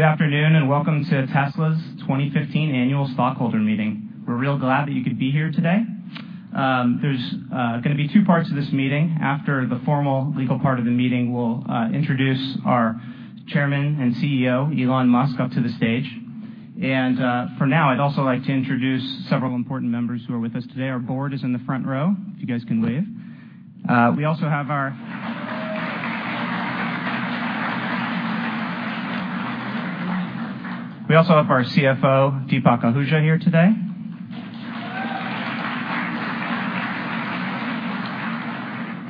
Good afternoon, welcome to Tesla's 2015 annual stockholder meeting. We're real glad that you could be here today. There's gonna be two parts to this meeting. After the formal legal part of the meeting, we'll introduce our Chairman and CEO, Elon Musk, up to the stage. For now, I'd also like to introduce several important members who are with us today. Our board is in the front row, if you guys can wave. We also have our CFO, Deepak Ahuja, here today.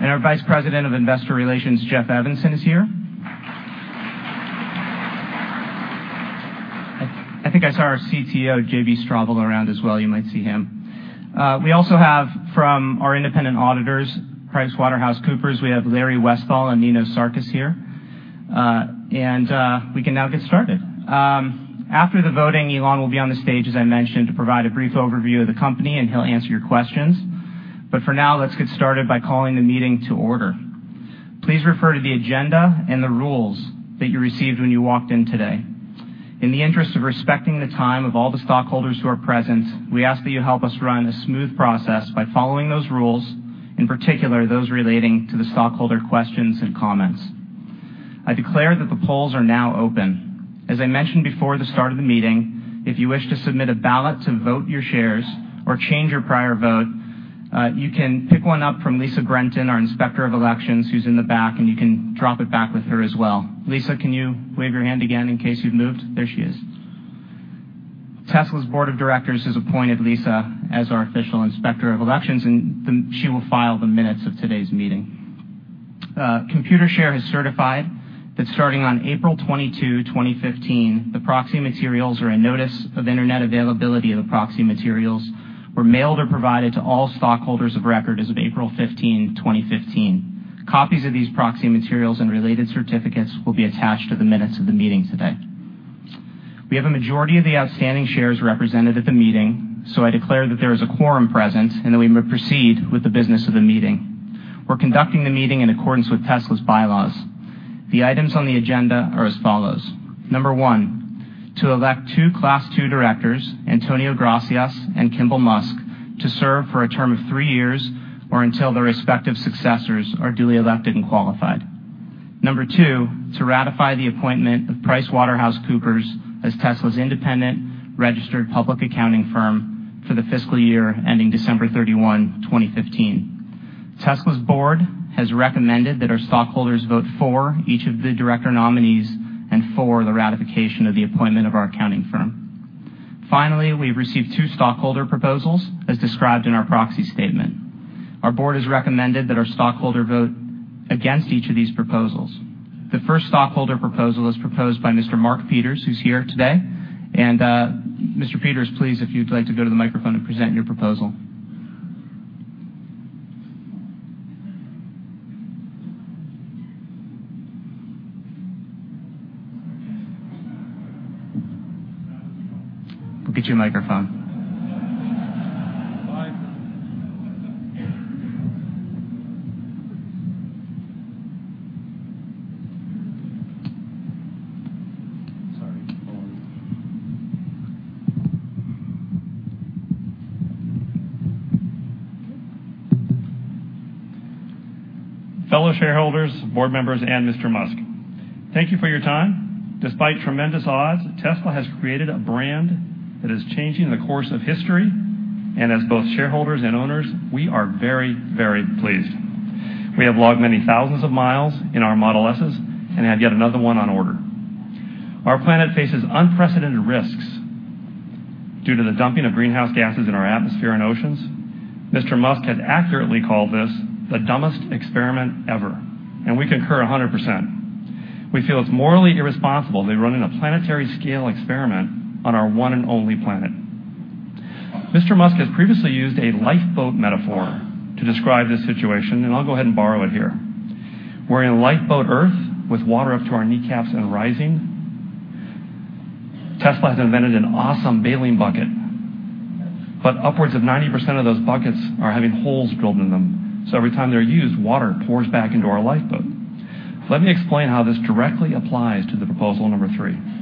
Our Vice President of Investor Relations, Jeff Evanson, is here. I think I saw our CTO, JB Straubel, around as well. You might see him. We also have from our independent auditors, PricewaterhouseCoopers, we have Larry Westphal and Ninos Sarkis here. We can now get started. After the voting, Elon will be on the stage, as I mentioned, to provide a brief overview of the company. He'll answer your questions. For now, let's get started by calling the meeting to order. Please refer to the agenda and the rules that you received when you walked in today. In the interest of respecting the time of all the stockholders who are present, we ask that you help us run a smooth process by following those rules, in particular, those relating to the stockholder questions and comments. I declare that the polls are now open. As I mentioned before the start of the meeting, if you wish to submit a ballot to vote your shares or change your prior vote, you can pick one up from Lisa Brenton, our Inspector of Elections, who's in the back, and you can drop it back with her as well. Lisa, can you wave your hand again in case you've moved? There she is. Tesla's board of directors has appointed Lisa as our official Inspector of Elections, she will file the minutes of today's meeting. Computershare has certified that starting on April 22, 2015, the proxy materials or a notice of internet availability of the proxy materials were mailed or provided to all stockholders of record as of April 15, 2015. Copies of these proxy materials and related certificates will be attached to the minutes of the meeting today. We have a majority of the outstanding shares represented at the meeting. I declare that there is a quorum present and that we may proceed with the business of the meeting. We're conducting the meeting in accordance with Tesla's bylaws. The items on the agenda are as follows. Number 1, to elect two Class 2 directors, Antonio Gracias and Kimbal Musk, to serve for a term of three years or until their respective successors are duly elected and qualified. Number 2, to ratify the appointment of PricewaterhouseCoopers as Tesla's independent registered public accounting firm for the fiscal year ending December 31, 2015. Tesla's Board has recommended that our stockholders vote for each of the director nominees and for the ratification of the appointment of our accounting firm. We've received two stockholder proposals as described in our proxy statement. Our Board has recommended that our stockholder vote against each of these proposals. The first stockholder proposal is proposed by Mr. Mark Peters, who is here today. Mr. Peters, please, if you would like to go to the microphone and present your proposal. We will get you a microphone. Fine. Sorry. Hold on. Fellow shareholders, board members, and Mr. Musk, thank you for your time. Despite tremendous odds, Tesla has created a brand that is changing the course of history, and as both shareholders and owners, we are very, very pleased. We have logged many thousands of miles in our Model Ss and have yet another one on order. Our planet faces unprecedented risks due to the dumping of greenhouse gases in our atmosphere and oceans. Mr. Musk has accurately called this the dumbest experiment ever, and we concur 100%. We feel it's morally irresponsible that we're running a planetary scale experiment on our one and only planet. Mr. Musk has previously used a lifeboat metaphor to describe this situation, and I'll go ahead and borrow it here. We're in a lifeboat Earth with water up to our kneecaps and rising. Tesla has invented an awesome bailing bucket, but upwards of 90% of those buckets are having holes drilled in them, so every time they're used, water pours back into our lifeboat. Let me explain how this directly applies to the Proposal No. 3.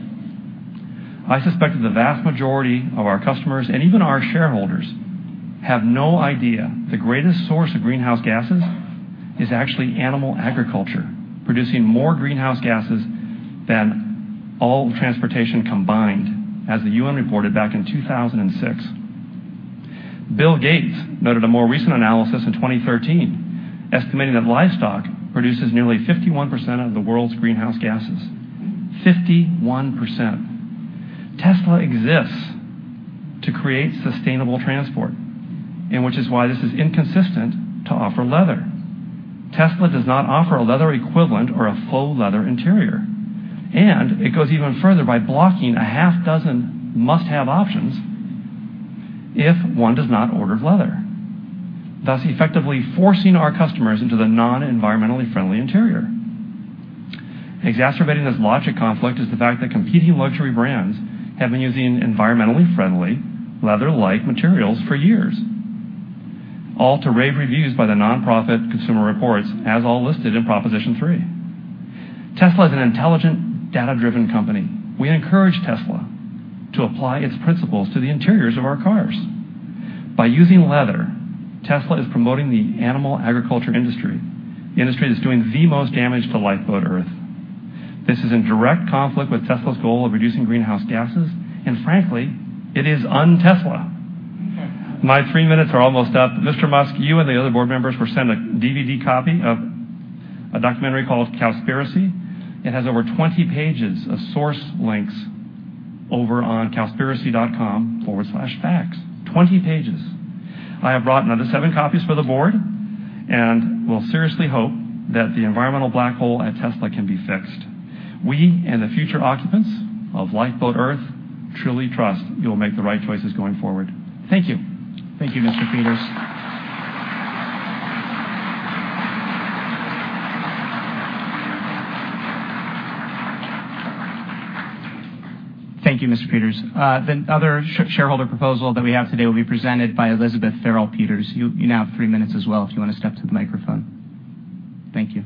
I suspect that the vast majority of our customers, and even our shareholders, have no idea the greatest source of greenhouse gases is actually animal agriculture, producing more greenhouse gases than all transportation combined, as the UN reported back in 2006. Bill Gates noted a more recent analysis in 2013, estimating that livestock produces nearly 51% of the world's greenhouse gases. 51%. Tesla exists to create sustainable transport. Which is why this is inconsistent to offer leather. Tesla does not offer a leather equivalent or a faux leather interior, and it goes even further by blocking a half dozen must-have options if one does not order leather, thus effectively forcing our customers into the non-environmentally friendly interior. Exacerbating this logic conflict is the fact that competing luxury brands have been using environmentally friendly leather-like materials for years. All to rave reviews by the nonprofit Consumer Reports, as all listed in Proposition 3. Tesla is an intelligent, data-driven company. We encourage Tesla to apply its principles to the interiors of our cars. By using leather, Tesla is promoting the animal agriculture industry, the industry that's doing the most damage to lifeboat Earth. This is in direct conflict with Tesla's goal of reducing greenhouse gases, and frankly, it is un-Tesla. My three minutes are almost up. Mr. Musk, you and the other board members were sent a DVD copy of a documentary called Cowspiracy. It has over 20 pages of source links over on cowspiracy.com/facts, 20 pages. I have brought another seven copies for the board and will seriously hope that the environmental black hole at Tesla can be fixed. We, and the future occupants of lifeboat Earth, truly trust you'll make the right choices going forward. Thank you. Thank you, Mr. Peters. Thank you, Mr. Peters. The other shareholder proposal that we have today will be presented by Elizabeth Farrell Peters. You now have three minutes as well, if you wanna step to the microphone. Thank you.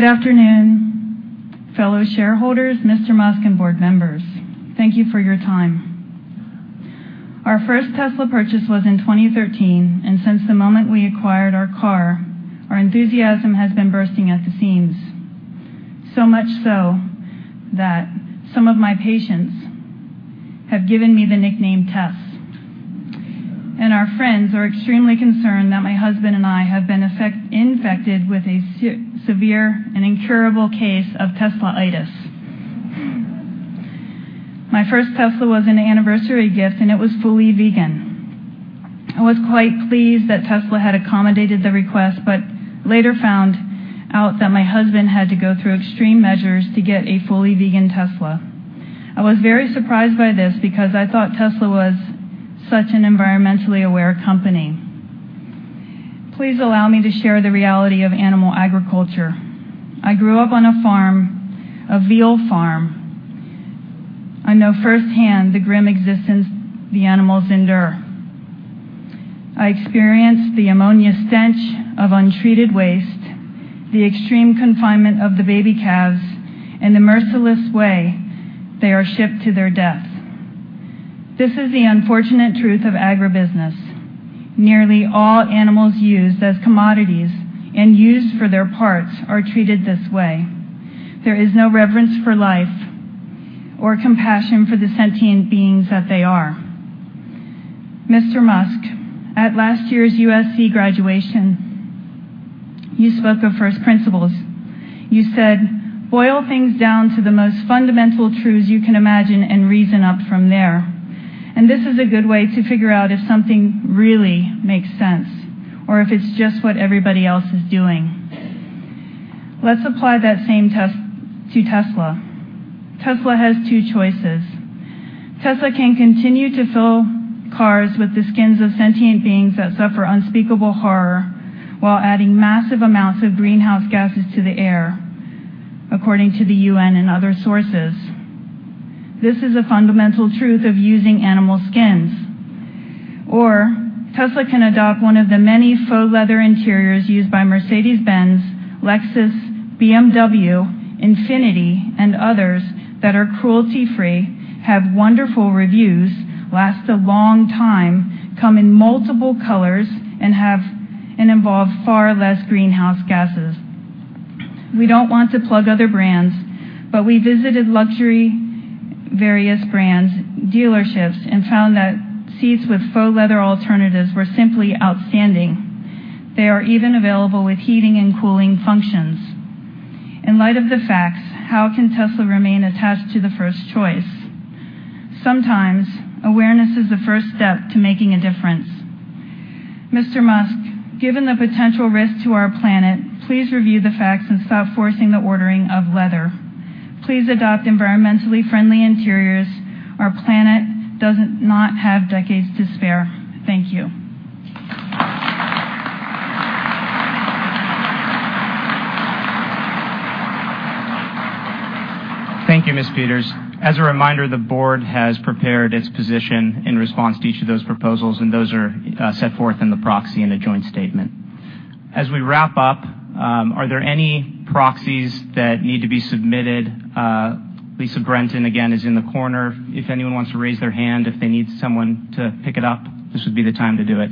Good afternoon, fellow shareholders, Mr. Musk, and board members. Thank you for your time. Our first Tesla purchase was in 2013. Since the moment we acquired our car, our enthusiasm has been bursting at the seams. Much so that some of my patients have given me the nickname Tess. Our friends are extremely concerned that my husband and I have been infected with a severe and incurable case of Teslaitis. My first Tesla was an anniversary gift. It was fully vegan. I was quite pleased that Tesla had accommodated the request. Later found out that my husband had to go through extreme measures to get a fully vegan Tesla. I was very surprised by this because I thought Tesla was such an environmentally aware company. Please allow me to share the reality of animal agriculture. I grew up on a farm, a veal farm. I know firsthand the grim existence the animals endure. I experienced the ammonia stench of untreated waste, the extreme confinement of the baby calves, and the merciless way they are shipped to their death. This is the unfortunate truth of agribusiness. Nearly all animals used as commodities and used for their parts are treated this way. There is no reverence for life or compassion for the sentient beings that they are. Mr. Musk, at last year's USC graduation, you spoke of first principles. You said, "Boil things down to the most fundamental truths you can imagine and reason up from there." This is a good way to figure out if something really makes sense or if it's just what everybody else is doing. Let's apply that same test to Tesla. Tesla has two choices. Tesla can continue to fill cars with the skins of sentient beings that suffer unspeakable horror while adding massive amounts of greenhouse gases to the air, according to the UN and other sources. This is a fundamental truth of using animal skins. Tesla can adopt one of the many faux leather interiors used by Mercedes-Benz, Lexus, BMW, Infiniti, and others that are cruelty-free, have wonderful reviews, last a long time, come in multiple colors, and involve far less greenhouse gases. We don't want to plug other brands, we visited luxury various brands, dealerships, and found that seats with faux leather alternatives were simply outstanding. They are even available with heating and cooling functions. In light of the facts, how can Tesla remain attached to the first choice? Sometimes awareness is the first step to making a difference. Mr. Musk, given the potential risk to our planet, please review the facts and stop forcing the ordering of leather. Please adopt environmentally friendly interiors. Our planet not have decades to spare. Thank you. Thank you, Ms. Peters. As a reminder, the Board has prepared its position in response to each of those proposals. Those are set forth in the proxy in a joint statement. As we wrap up, are there any proxies that need to be submitted? Lisa Brenton, again, is in the corner. If anyone wants to raise their hand if they need someone to pick it up, this would be the time to do it.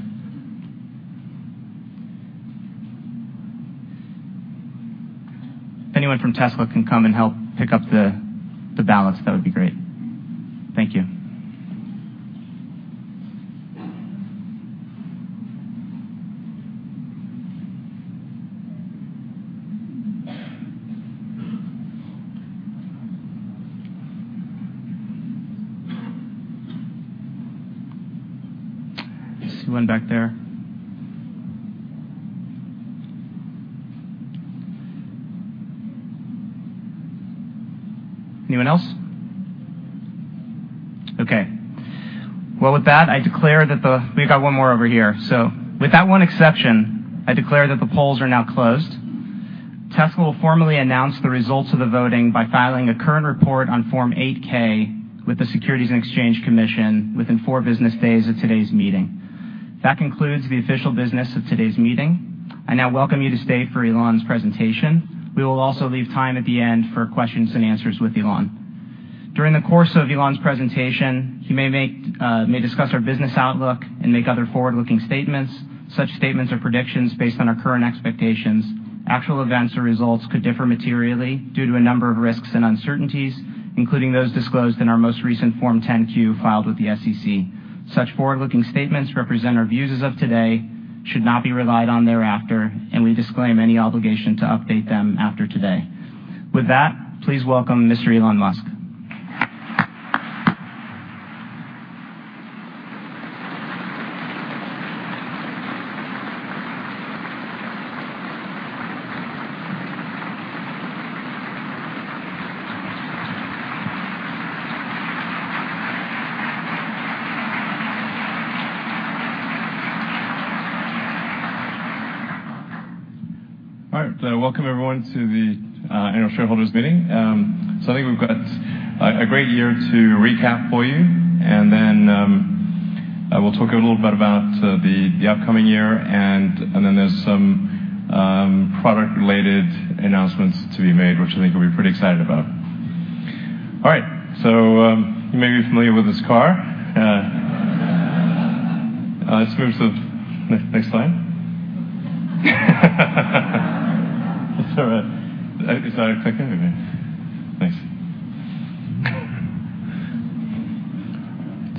If anyone from Tesla can come and help pick up the ballots, that would be great. Thank you. I see one back there. Anyone else? Okay. With that, We've got one more over here. With that one exception, I declare that the polls are now closed. Tesla will formally announce the results of the voting by filing a current report on Form 8-K with the Securities and Exchange Commission within four business days of today's meeting. That concludes the official business of today's meeting. I now welcome you to stay for Elon's presentation. We will also leave time at the end for questions and answers with Elon. During the course of Elon's presentation, he may discuss our business outlook and make other forward-looking statements. Such statements are predictions based on our current expectations. Actual events or results could differ materially due to a number of risks and uncertainties, including those disclosed in our most recent Form 10-Q filed with the SEC. Such forward-looking statements represent our views as of today, should not be relied on thereafter, and we disclaim any obligation to update them after today. With that, please welcome Mr. Elon Musk. All right. Welcome everyone to the annual shareholders meeting. I think we've got a great year to recap for you, and then I will talk a little bit about the upcoming year, and then there's some product-related announcements to be made, which I think you'll be pretty excited about. All right. You may be familiar with this car. Let's move to the next slide. It's all right. It's not clicking or anything. Thanks.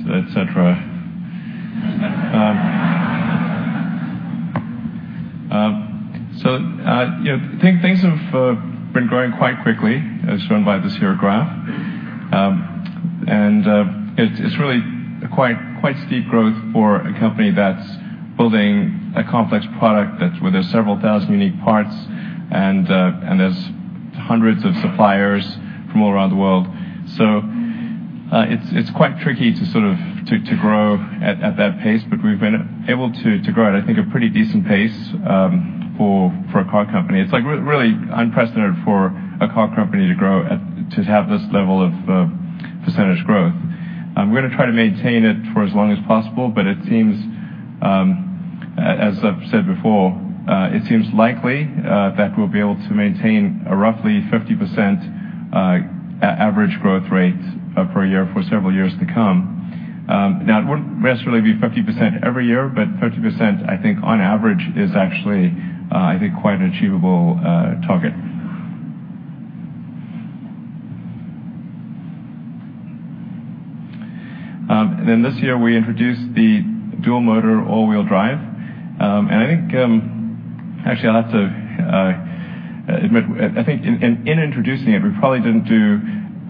To et cetera. You know, things have been growing quite quickly, as shown by this here graph. It's really a quite steep growth for a company that's building a complex product where there's several 1,000 unique parts, and there's hundreds of suppliers from all around the world. It's quite tricky to grow at that pace, but we've been able to grow at, I think, a pretty decent pace for a car company. It's like really unprecedented for a car company to grow to have this level of percentage growth. We're gonna try to maintain it for as long as possible, but it seems as I've said before, it seems likely that we'll be able to maintain a roughly 50% average growth rate per year for several years to come. It won't necessarily be 50% every year, but 30%, I think, on average, is actually, I think quite an achievable target. This year we introduced the dual motor all-wheel drive. I think, actually I'll have to admit I think in introducing it, we probably didn't do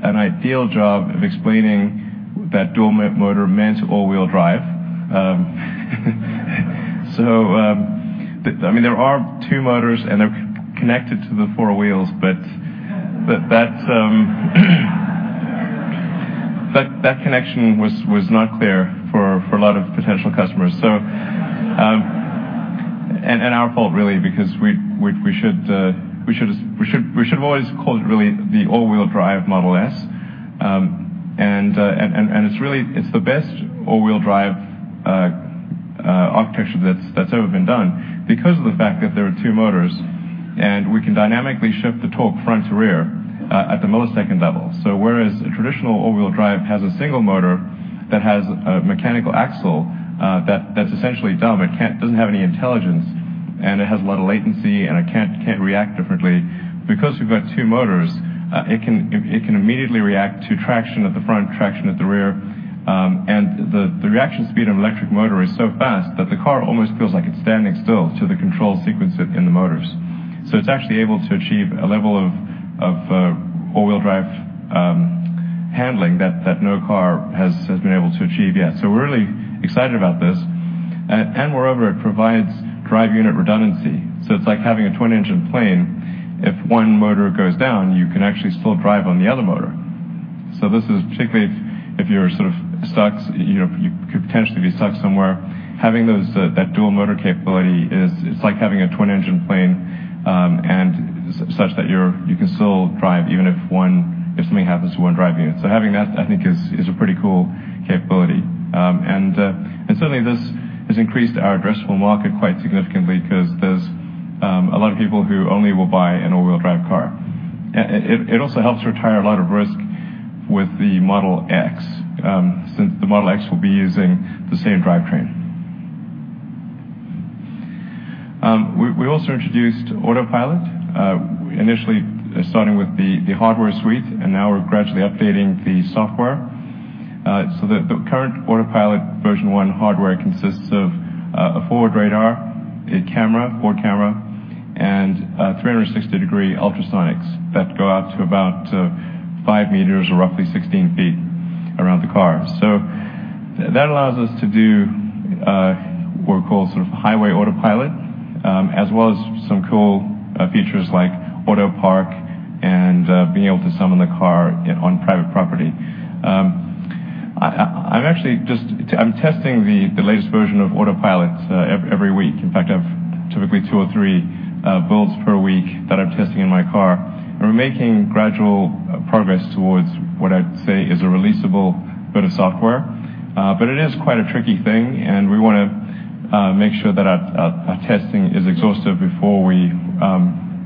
an ideal job of explaining that dual motor meant all-wheel drive. I mean, there are two motors, and they're connected to the four wheels, but that's that connection was not clear for a lot of potential customers. Our fault really because we should just, we should have always called it really the all-wheel-drive Model S. It's the best all-wheel drive architecture that's ever been done because of the fact that there are two motors and we can dynamically shift the torque front to rear at the millisecond level. Whereas a traditional all-wheel-drive has a single motor that has a mechanical axle, that's essentially dumb, it doesn't have any intelligence, and it has a lot of latency, and it can't react differently. Because we've got two motors, it can immediately react to traction at the front, traction at the rear. The reaction speed of an electric motor is so fast that the car almost feels like it's standing still to the control sequence in the motors. It's actually able to achieve a level of all-wheel drive handling that no car has been able to achieve yet. We're really excited about this. Moreover, it provides drive unit redundancy. It's like having a twin engine plane. If one motor goes down, you can actually still drive on the other motor. This is particularly if you're sort of stuck, you know, you could potentially be stuck somewhere, having those that dual motor capability is, it's like having a twin engine plane, such that you're, you can still drive even if something happens to one drive unit. Having that, I think, is a pretty cool capability. Certainly this has increased our addressable market quite significantly because there's a lot of people who only will buy an all-wheel-drive car. And it also helps retire a lot of risk with the Model X since the Model X will be using the same drivetrain. We also introduced Autopilot, initially starting with the hardware suite, and now we're gradually updating the software. The current Autopilot Version 1 hardware consists of a forward radar, a camera, and 360 degree ultrasonics that go out to about 5 m or roughly 16 ft around the car. That allows us to do what we call sort of highway Autopilot, as well as some cool features like Autopark and being able to summon the car on private property. I'm actually just testing the latest version of Autopilot every week. In fact, I've typically two or three builds per week that I'm testing in my car. We're making gradual progress towards what I'd say is a releasable bit of software. It is quite a tricky thing, and we wanna make sure that our testing is exhaustive before we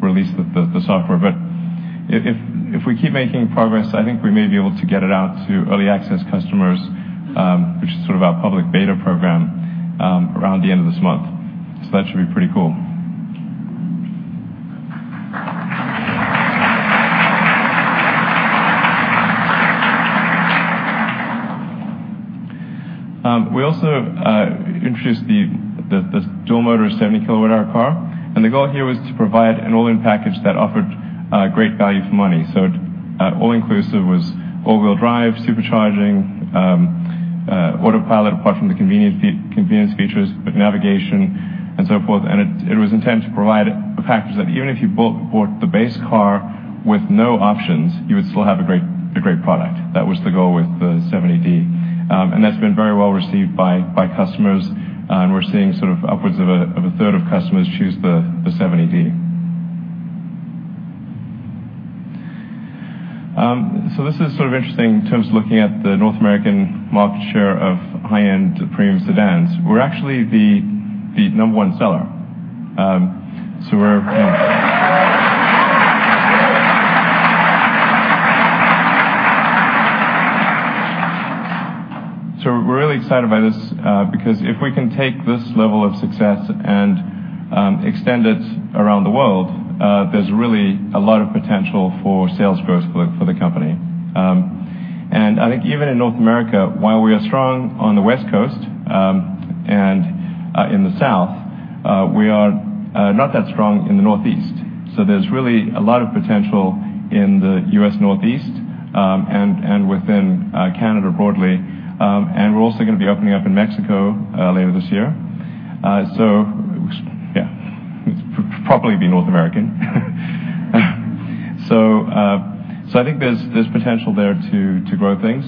release the software. If we keep making progress, I think we may be able to get it out to early access customers, which is sort of our public beta program, around the end of this month. That should be pretty cool. We also introduced the dual motor 70 kWh car, and the goal here was to provide an all-in package that offered great value for money. It all inclusive was all-wheel drive, Supercharging, Autopilot, apart from the convenience features, but navigation and so forth. It was intended to provide a package that even if you bought the base car with no options, you would still have a great product. That was the goal with the 70D. That's been very well received by customers, and we're seeing sort of upwards of a third of customers choose the 70D. This is sort of interesting in terms of looking at the North American market share of high-end premium sedans. We're actually the number one seller. We're really excited by this, because if we can take this level of success and extend it around the world, there's really a lot of potential for sales growth for the company. I think even in North America, while we are strong on the West Coast, in the South, we are not that strong in the Northeast. There's really a lot of potential in the U.S. Northeast, and within Canada broadly. We're also gonna be opening up in Mexico later this year. Yeah, it's properly be North American. I think there's potential there to grow things.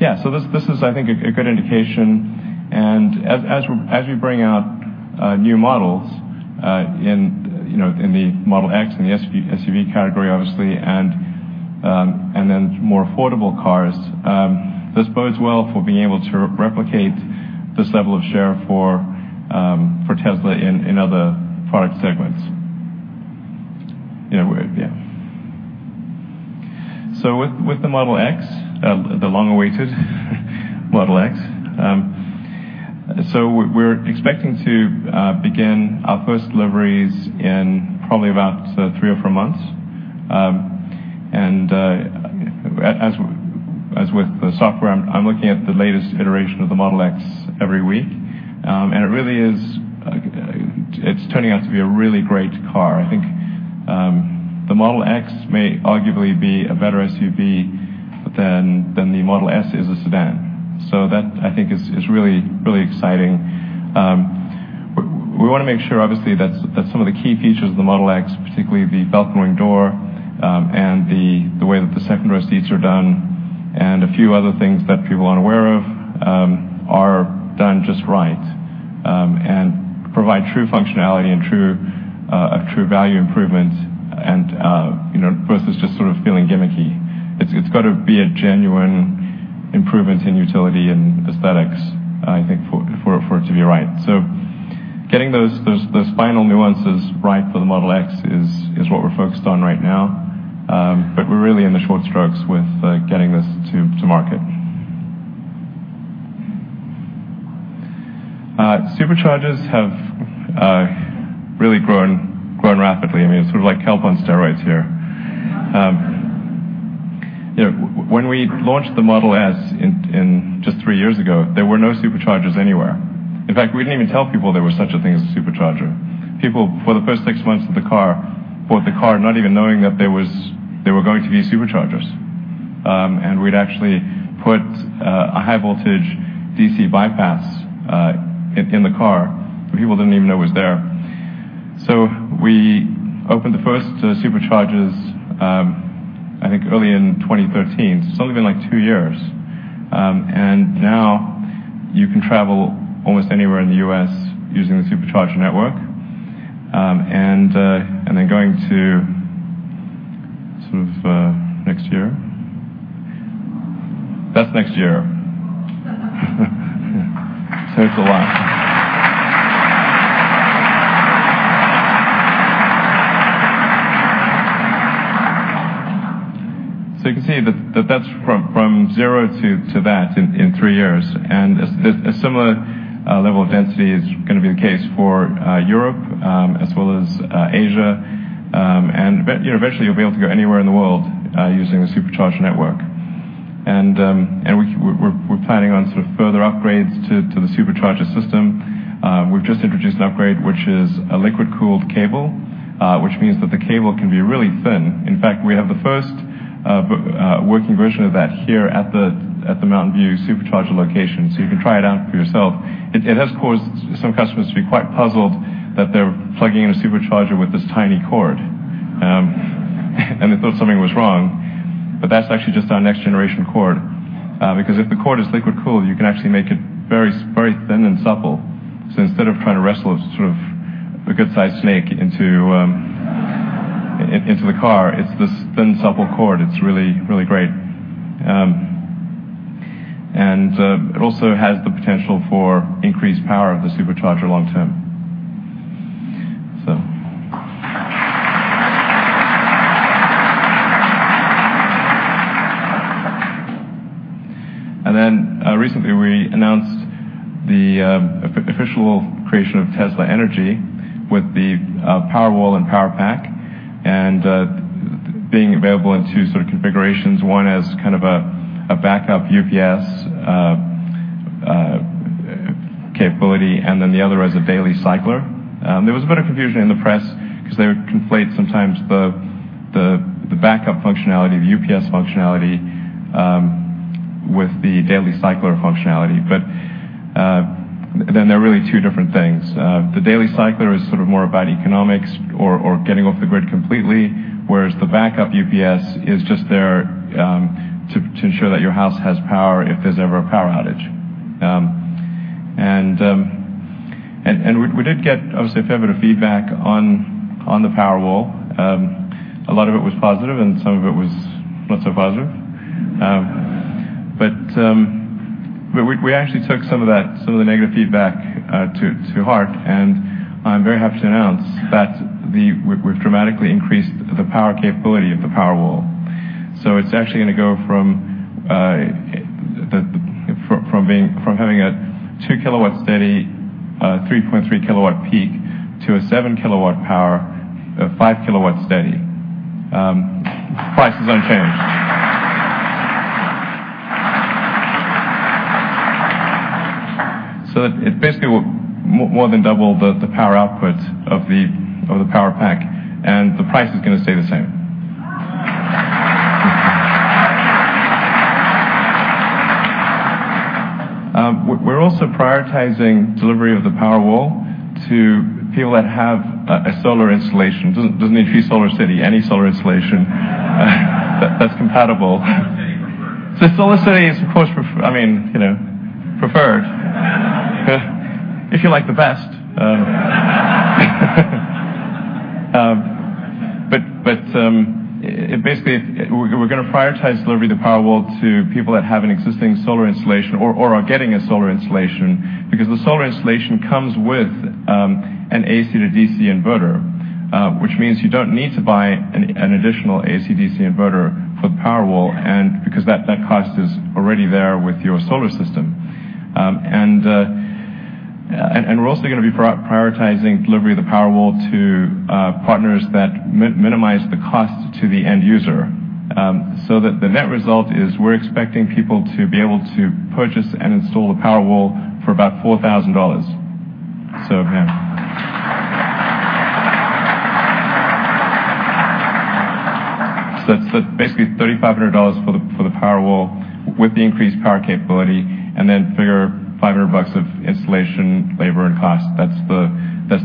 Yeah, this is I think a good indication. As we bring out new models in the Model X, in the SUV category, obviously, and then more affordable cars, this bodes well for being able to replicate this level of share for Tesla in other product segments. Yeah. With the Model X, the long-awaited Model X. We're expecting to begin our first deliveries in probably about three or four months. As with the software, I'm looking at the latest iteration of the Model X every week. It really is, it's turning out to be a really great car. I think the Model X may arguably be a better SUV than the Model S is a sedan. That, I think is really, really exciting. We wanna make sure obviously that some of the key features of the Model X, particularly the falcon-wing door, and the way that the second-row seats are done, and a few other things that people aren't aware of, are done just right, and provide true functionality and true a true value improvement and, you know, versus just sort of feeling gimmicky. It's gotta be a genuine improvement in utility and aesthetics, I think for it to be right. Getting those final nuances right for the Model X is what we're focused on right now. But we're really in the short strokes with getting this to market. Superchargers have really grown rapidly. I mean, sort of like kelp on steroids here. You know, when we launched the Model S just three years ago, there were no Superchargers anywhere. In fact, we didn't even tell people there was such a thing as a Supercharger. People, for the first six months of the car, bought the car not even knowing that there were going to be Superchargers. We'd actually put a high voltage DC bypass in the car that people didn't even know was there. We opened the first Superchargers, I think early in 2013. It's only been like two years. Now you can travel almost anywhere in the U.S. using the Supercharger network. Then going to sort of next year. That's next year. It's a lot. You can see that that's from zero to that in three years. A similar level of density is gonna be the case for Europe as well as Asia. You know, eventually, you'll be able to go anywhere in the world using the Supercharger network. We're planning on sort of further upgrades to the Supercharger system. We've just introduced an upgrade, which is a liquid-cooled cable, which means that the cable can be really thin. In fact, we have the first working version of that here at the Mountain View Supercharger location, so you can try it out for yourself. It has caused some customers to be quite puzzled that they're plugging in a Supercharger with this tiny cord, and they thought something was wrong. That's actually just our next generation cord. Because if the cord is liquid-cooled, you can actually make it very thin and supple. Instead of trying to wrestle sort of a good-sized snake into the car, it's this thin, supple cord. It's really, really great. It also has the potential for increased power of the Supercharger long term. Recently, we announced the official creation of Tesla Energy with the Powerwall and Powerpack and being available in two sort of configurations, one as kind of a backup UPS capability, and then the other as a daily cycler. There was a bit of confusion in the press because they would conflate sometimes the backup functionality, the UPS functionality, with the daily cycler functionality. They're really two different things. The daily cycler is sort of more about economics or getting off the grid completely, whereas the backup UPS is just there to ensure that your house has power if there's ever a power outage. And we did get obviously a fair bit of feedback on the Powerwall. A lot of it was positive and some of it was not so positive. But we actually took some of that negative feedback to heart, and I'm very happy to announce that we've dramatically increased the power capability of the Powerwall. It's actually gonna go from having a 2 kW steady, 3.3 kW peak, to a 7 kW power, 5 kW steady. Price is unchanged. It basically will more than double the power output of the Powerpack, and the price is gonna stay the same. We're also prioritizing delivery of the Powerwall to people that have a solar installation. Doesn't need to be SolarCity, any solar installation that's compatible. SolarCity is of course, I mean, you know, preferred. If you like the best. We're gonna prioritize delivery of the Powerwall to people that have an existing solar installation or are getting a solar installation because the solar installation comes with an AC to DC converter, which means you don't need to buy an additional AC DC inverter for the Powerwall and because that cost is already there with your solar system. We're also gonna be prioritizing delivery of the Powerwall to partners that minimize the cost to the end user, so that the net result is we're expecting people to be able to purchase and install the Powerwall for about $4,000. Yeah. That's basically $3,500 for the Powerwall with the increased power capability, and then figure $500 of installation, labor, and cost. That's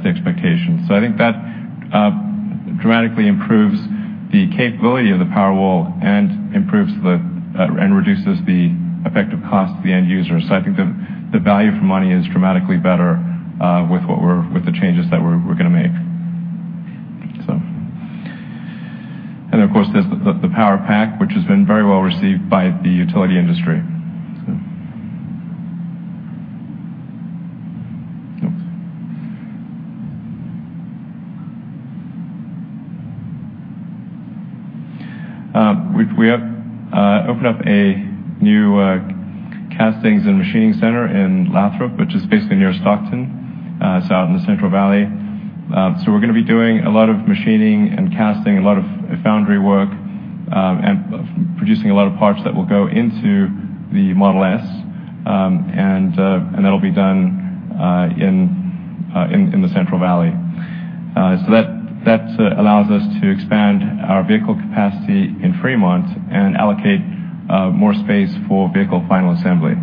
the expectation. I think that dramatically improves the capability of the Powerwall and improves the and reduces the effective cost to the end user. I think the value for money is dramatically better with the changes that we're gonna make. Then, of course, there's the Powerpack, which has been very well received by the utility industry. We have opened up a new castings and machining center in Lathrop, which is basically near Stockton. It's out in the Central Valley. We're gonna be doing a lot of machining and casting, a lot of foundry work, and producing a lot of parts that will go into the Model S. That'll be done in the Central Valley. That, that allows us to expand our vehicle capacity in Fremont and allocate more space for vehicle final assembly.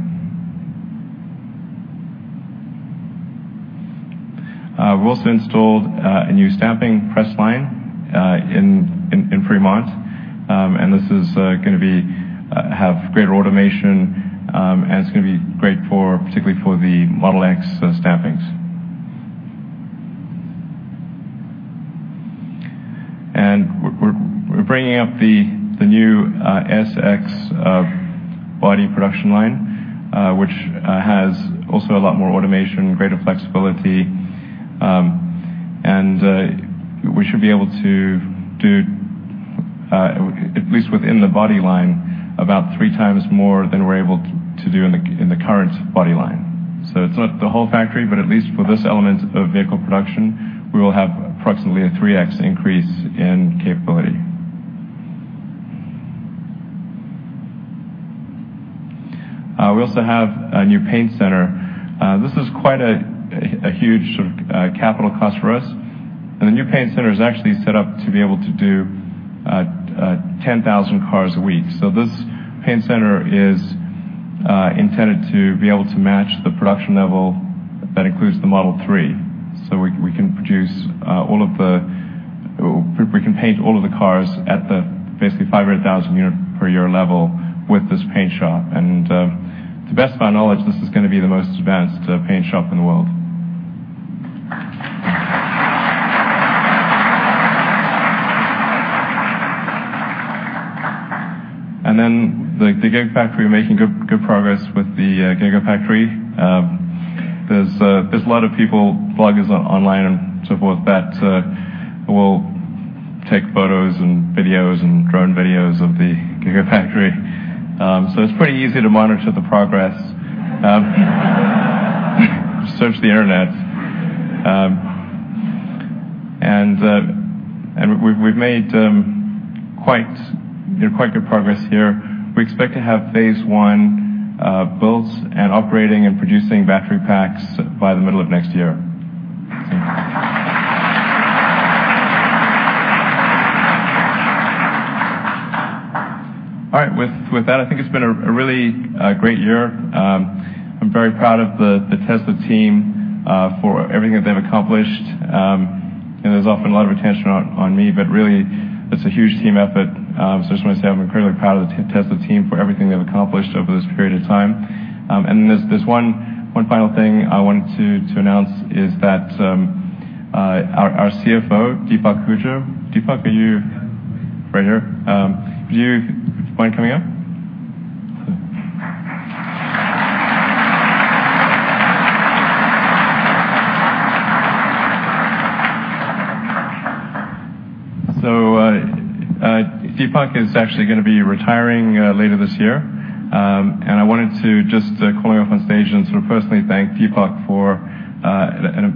We've also installed a new stamping press line in Fremont, and this is gonna have greater automation, and it's gonna be great for, particularly for the Model X, stampings. We're bringing up the new S/X body production line, which has also a lot more automation, greater flexibility. We should be able to do at least within the body line, about 3x more than we're able to do in the current body line. It's not the whole factory, but at least for this element of vehicle production, we will have approximately a 3x increase in capability. We also have a new paint center. This is quite a huge sort of capital cost for us. The new paint center is actually set up to be able to do 10,000 cars a week. This paint center is intended to be able to match the production level that includes the Model 3. We can paint all of the cars at the basically 500,000 unit per year level with this paint shop. To the best of our knowledge, this is gonna be the most advanced paint shop in the world. The Gigafactory, we're making good progress with the Gigafactory. There's a lot of people, bloggers online and so forth that will take photos and videos and drone videos of the Gigafactory. It's pretty easy to monitor the progress. Search the internet. We've made, you know, quite good progress here. We expect to have phase one built and operating and producing battery packs by the middle of next year. All right. With that, I think it's been a really great year. I'm very proud of the Tesla team for everything that they've accomplished. There's often a lot of attention on me, but really it's a huge team effort. I just wanna say I'm incredibly proud of the Tesla team for everything they've accomplished over this period of time. There's one final thing I wanted to announce, is that our CFO, Deepak Ahuja, are you- Yeah, I'm here. Right here. Do you mind coming up? Deepak is actually gonna be retiring later this year. I wanted to just call him up on stage and sort of personally thank Deepak for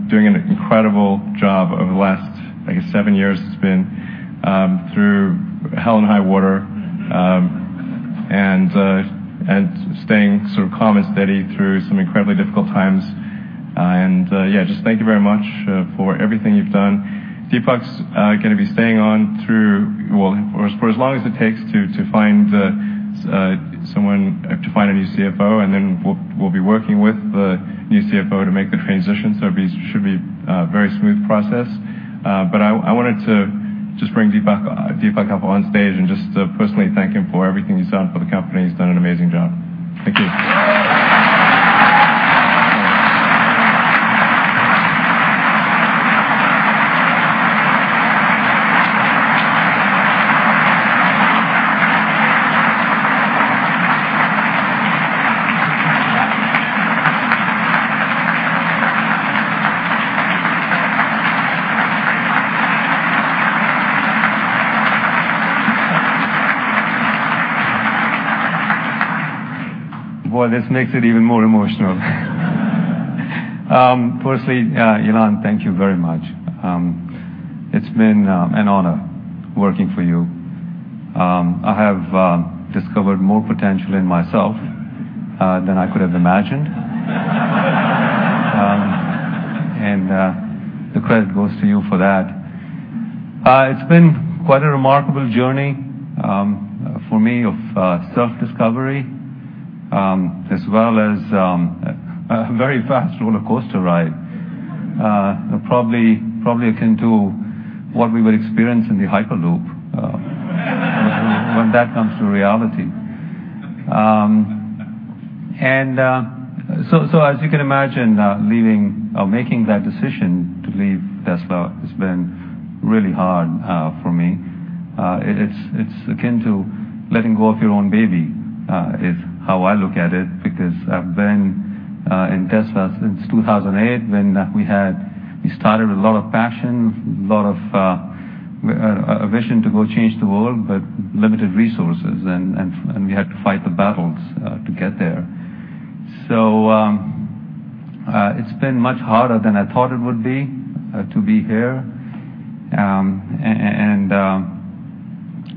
doing an incredible job over the last, I guess, seven years it's been, through hell and high water, and staying sort of calm and steady through some incredibly difficult times. Yeah, just thank you very much for everything you've done. Deepak's gonna be staying on through, well, for as long as it takes to find someone, to find a new CFO, and then we'll be working with the new CFO to make the transition, so it should be a very smooth process. I wanted to just bring Deepak up on stage and just personally thank him for everything he's done for the company. He's done an amazing job. Thank you. Boy, this makes it even more emotional. Firstly, Elon, thank you very much. It's been an honor working for you. I have discovered more potential in myself than I could have imagined. The credit goes to you for that. It's been quite a remarkable journey for me of self-discovery as well as a very fast roller coaster ride, probably akin to what we will experience in the Hyperloop when that comes to reality. As you can imagine, leaving or making that decision to leave Tesla has been really hard for me. It's akin to letting go of your own baby, is how I look at it, because I've been in Tesla since 2008 when we started with a lot of passion, a lot of a vision to go change the world, but limited resources and we had to fight the battles to get there. It's been much harder than I thought it would be to be here and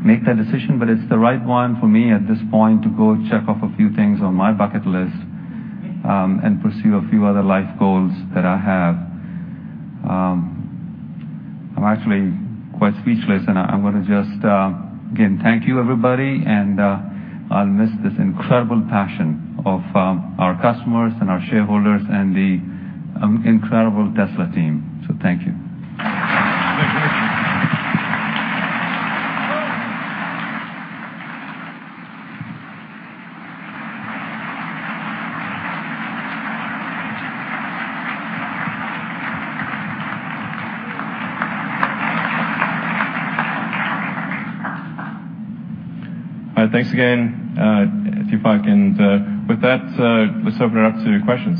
make that decision. It's the right one for me at this point to go check off a few things on my bucket list and pursue a few other life goals that I have. I'm actually quite speechless, and I wanna just again thank you everybody, and I'll miss this incredible passion of our customers and our shareholders and the incredible Tesla team, so thank you. All right. Thanks again, Deepak. With that, let's open it up to questions.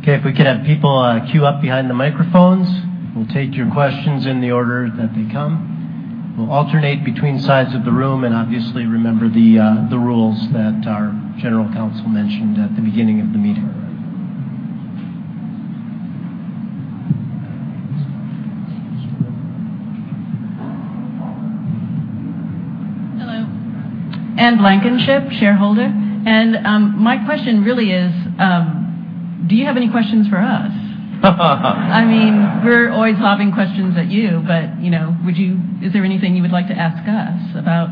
Okay. If we could have people, queue up behind the microphones. We'll take your questions in the order that they come. We'll alternate between sides of the room, and obviously, remember the rules that our general counsel mentioned at the beginning of the meeting. Hello. Anne Blankenship, shareholder. My question really is, do you have any questions for us? I mean, we're always lobbing questions at you, but, you know, is there anything you would like to ask us about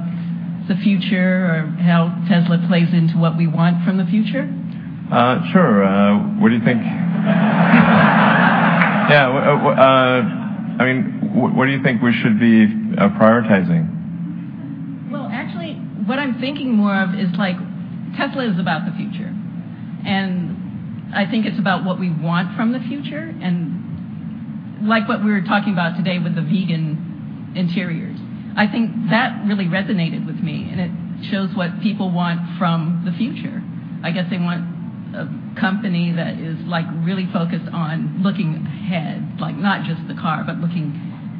the future or how Tesla plays into what we want from the future? Sure. What do you think? Yeah, I mean, what do you think we should be prioritizing? Well, actually, what I'm thinking more of is, like, Tesla is about the future, and I think it's about what we want from the future. Like what we were talking about today with the vegan interiors, I think that really resonated with me, and it shows what people want from the future. I guess they want a company that is, like, really focused on looking ahead, like, not just the car, but looking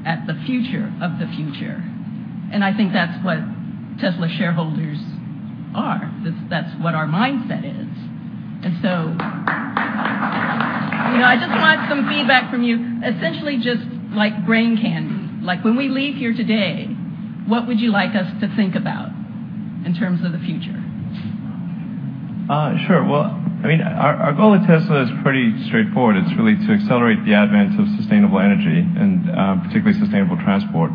at the future of the future. I think that's what Tesla shareholders are. That's what our mindset is. You know, I just want some feedback from you, essentially just, like, brain candy. Like, when we leave here today, what would you like us to think about in terms of the future? Sure. Well, I mean, our goal at Tesla is pretty straightforward. It's really to accelerate the advent of sustainable energy and, particularly sustainable transport.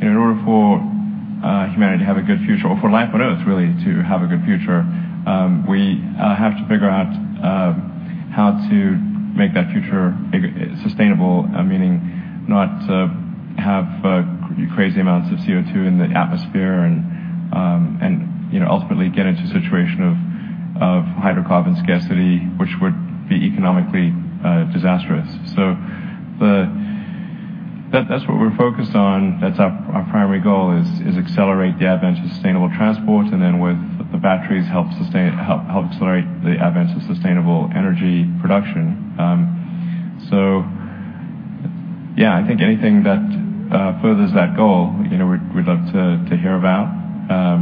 In order for humanity to have a good future or for life on Earth, really, to have a good future, we have to figure out how to make that future sustainable, meaning not to have crazy amounts of CO2 in the atmosphere and, you know, ultimately get into a situation of hydrocarbon scarcity, which would be economically disastrous. That's what we're focused on. That's our primary goal is accelerate the advent of sustainable transport and then with the batteries help accelerate the advent of sustainable energy production. I think anything that furthers that goal, you know, we'd love to hear about. I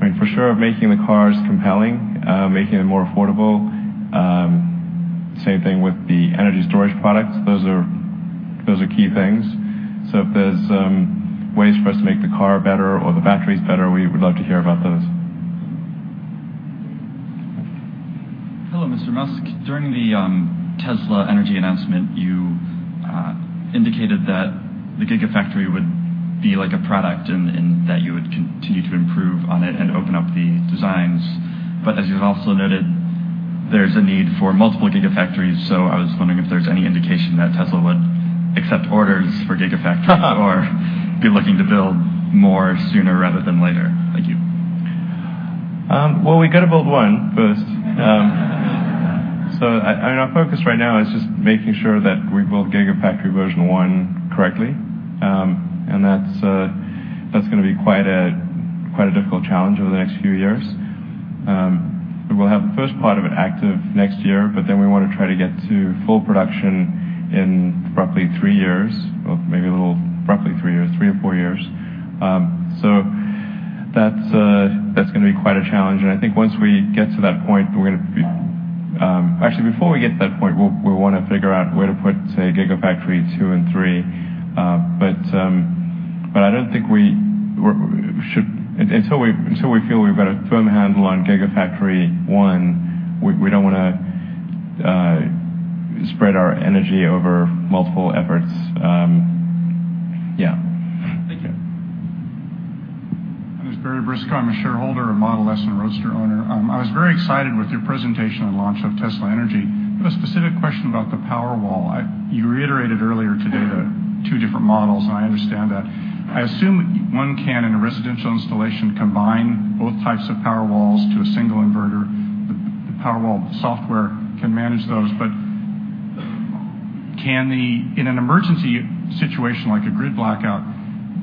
mean, for sure, making the cars compelling, making them more affordable. Same thing with the energy storage products. Those are key things. If there's ways for us to make the car better or the batteries better, we would love to hear about those. Hello, Mr. Musk. During the Tesla Energy announcement, you indicated that the Gigafactory would be like a product and that you would continue to improve on it and open up the designs. As you've also noted, there's a need for multiple Gigafactories. I was wondering if there's any indication that Tesla would accept orders for Gigafactories or be looking to build more sooner rather than later? Thank you. Well, we gotta build one first. I mean, our focus right now is just making sure that we build Gigafactory Version 1 correctly. That's gonna be quite a difficult challenge over the next few years. We'll have the first part of it active next year, but then we wanna try to get to full production in roughly three years or maybe a little roughly three years, three or four years. That's gonna be quite a challenge. I think once we get to that point, we're gonna be. Actually, before we get to that point, we wanna figure out where to put, say, Gigafactory 2 and 3. I don't think we should, until we feel we've got a firm handle on Gigafactory 1, we don't wanna spread our energy over multiple efforts. Yeah. Thank you. My name is Barry Brisco. I'm a shareholder and Model S and Roadster owner. I was very excited with your presentation on launch of Tesla Energy. I have a specific question about the Powerwall. You reiterated earlier today the two different models, and I understand that. I assume one can, in a residential installation, combine both types of Powerwalls to a single inverter. The Powerwall software can manage those, but in an emergency situation like a grid blackout,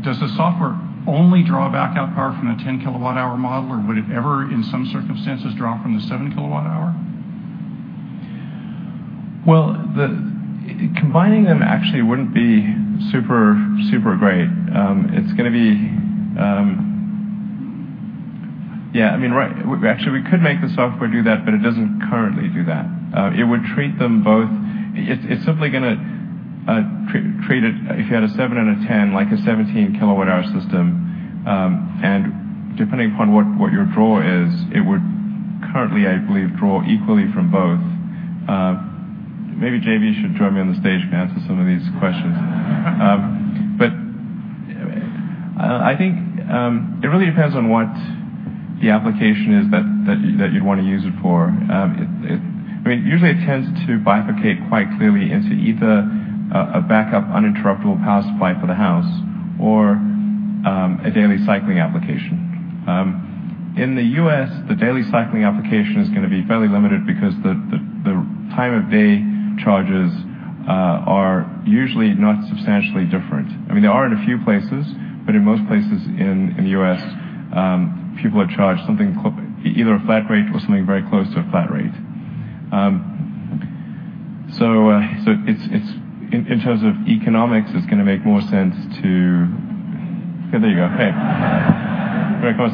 does the software only draw backup power from the 10 kWh model, or would it ever, in some circumstances, draw from the 7 kWh? Well, combining them actually wouldn't be super great. It's gonna be, I mean, right. Actually, we could make the software do that, but it doesn't currently do that. It's simply gonna treat it, if you had a seven and a 10, like a 17 kWh system. And depending upon what your draw is, it would currently, I believe, draw equally from both. Maybe JB should join me on the stage and answer some of these questions. I think it really depends on what the application is that you'd wanna use it for. I mean, usually it tends to bifurcate quite clearly into either a backup uninterruptible power supply for the house or a daily cycling application. In the U.S., the daily cycling application is gonna be fairly limited because the time of day charges are usually not substantially different. I mean, there are in a few places, but in most places in the U.S., people are charged something either a flat rate or something very close to a flat rate. It's In terms of economics, it's gonna make more sense to oh, there you go. Hey. You wanna come on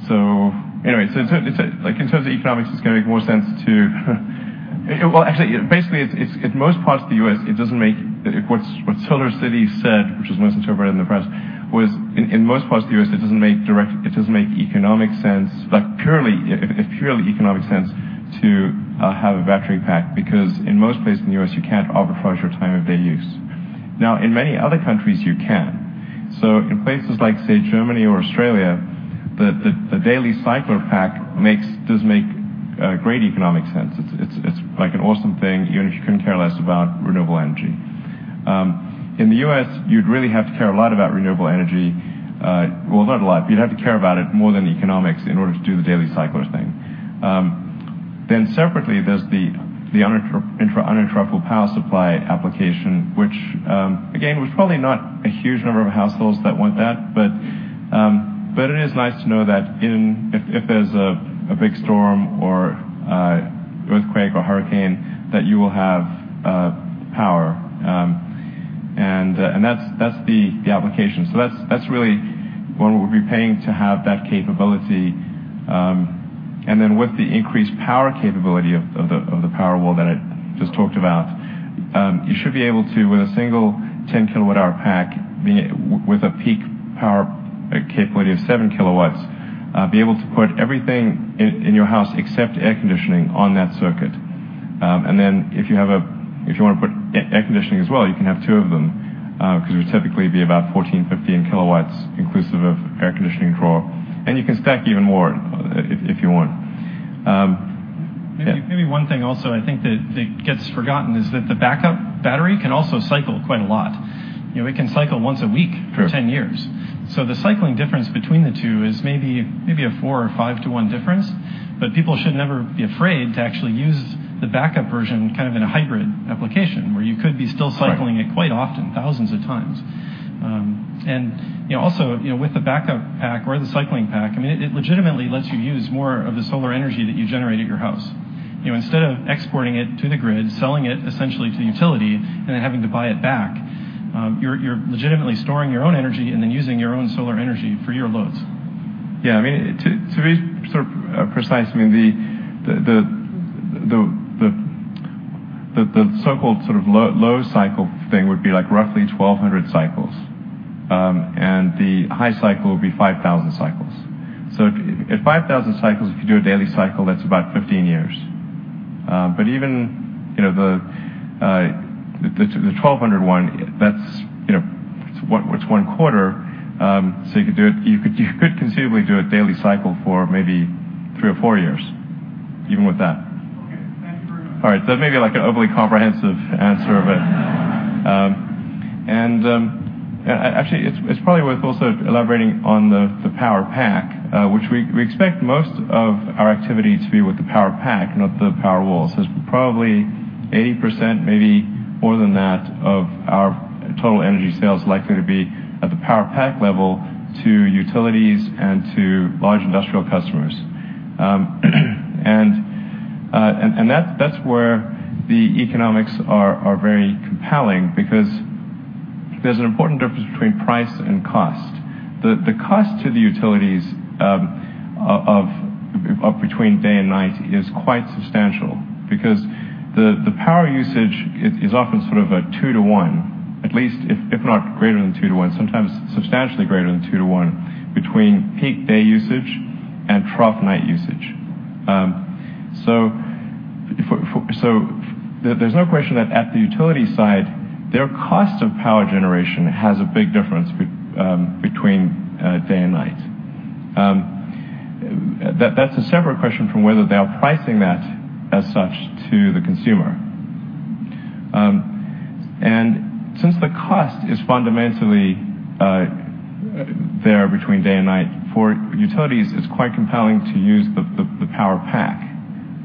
stage? Sure. Anyway, it's, like, in terms of economics, it's gonna make more sense to. Well, actually, basically, it's in most parts of the U.S., it doesn't make what SolarCity said, which was misinterpreted in the press, was in most parts of the U.S., it doesn't make direct it doesn't make economic sense, like purely, a purely economic sense to have a battery pack because in most places in the U.S., you can't arbitrage your time of day use. Now, in many other countries, you can. In places like, say, Germany or Australia, the daily cycler pack makes does make great economic sense. It's like an awesome thing even if you couldn't care less about renewable energy. In the U.S., you'd really have to care a lot about renewable energy, well, not a lot. You'd have to care about it more than economics in order to do the daily cycler thing. Separately, there's the uninterruptible power supply application, which again, there's probably not a huge number of households that want that. It is nice to know that if there's a big storm or earthquake or hurricane, that you will have power. That's the application. That's really when we'd be paying to have that capability. With the increased power capability of the Powerwall that I just talked about, you should be able to, with a single 10 kWh pack with a peak power capability of 7 kW, be able to put everything in your house except air conditioning on that circuit. If you wanna put air conditioning as well, you can have two of them, 'cause it would typically be about 14 kW, 15 kW inclusive of air conditioning draw, and you can stack even more if you want. yeah. Maybe one thing also I think that gets forgotten is that the backup battery can also cycle quite a lot. You know, it can cycle once a week. Sure. For 10 years. The cycling difference between the two is maybe a 4:1 or 5:1 difference. People should never be afraid to actually use the backup version kind of in a hybrid application, where you could be still cycling. Right. It quite often, thousands of times. you know, also, you know, with the Powerpack or the Powerwall, I mean, it legitimately lets you use more of the solar energy that you generate at your house. You know, instead of exporting it to the grid, selling it essentially to the utility, and then having to buy it back, you're legitimately storing your own energy and then using your own solar energy for your loads. Yeah, I mean, to be sort of precise, I mean, the so-called sort of low cycle thing would be, like, roughly 1,200 cycles. The high cycle would be 5,000 cycles. If 5,000 cycles, if you do a daily cycle, that's about 15 years. Even, you know, the 1,200 one, that's, you know, it's one quarter. You could conceivably do a daily cycle for maybe three or four years even with that. All right. That may be, like, an overly comprehensive answer. Actually, it's probably worth also elaborating on the Powerpack, which we expect most of our activity to be with the Powerpack, not the Powerwall. It's probably 80%, maybe more than that, of our total energy sales likely to be at the Powerpack level to utilities and to large industrial customers. That's where the economics are very compelling because there's an important difference between price and cost. The cost to the utilities of between day and night is quite substantial because the power usage is often sort of a 2:1, at least if not greater than 2:1, sometimes substantially greater than 2:1, between peak day usage and trough night usage. So, there's no question that at the utility side, their cost of power generation has a big difference between day and night. That's a separate question from whether they are pricing that as such to the consumer. Since the cost is fundamentally there between day and night, for utilities, it's quite compelling to use the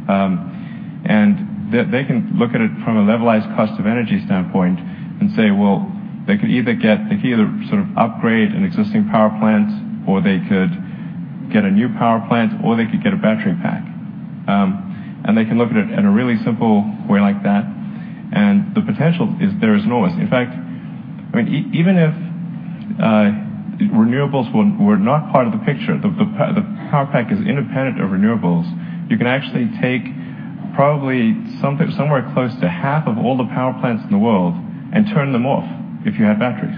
Powerpack. They can look at it from a levelized cost of energy standpoint and say, well, they could either sort of upgrade an existing power plant, or they could get a new power plant, or they could get a battery pack. They can look at it in a really simple way like that, and the potential is there is enormous. In fact, I mean, even if renewables were not part of the picture, the Powerpack is independent of renewables. You can actually take probably somewhere close to half of all the power plants in the world and turn them off if you had batteries.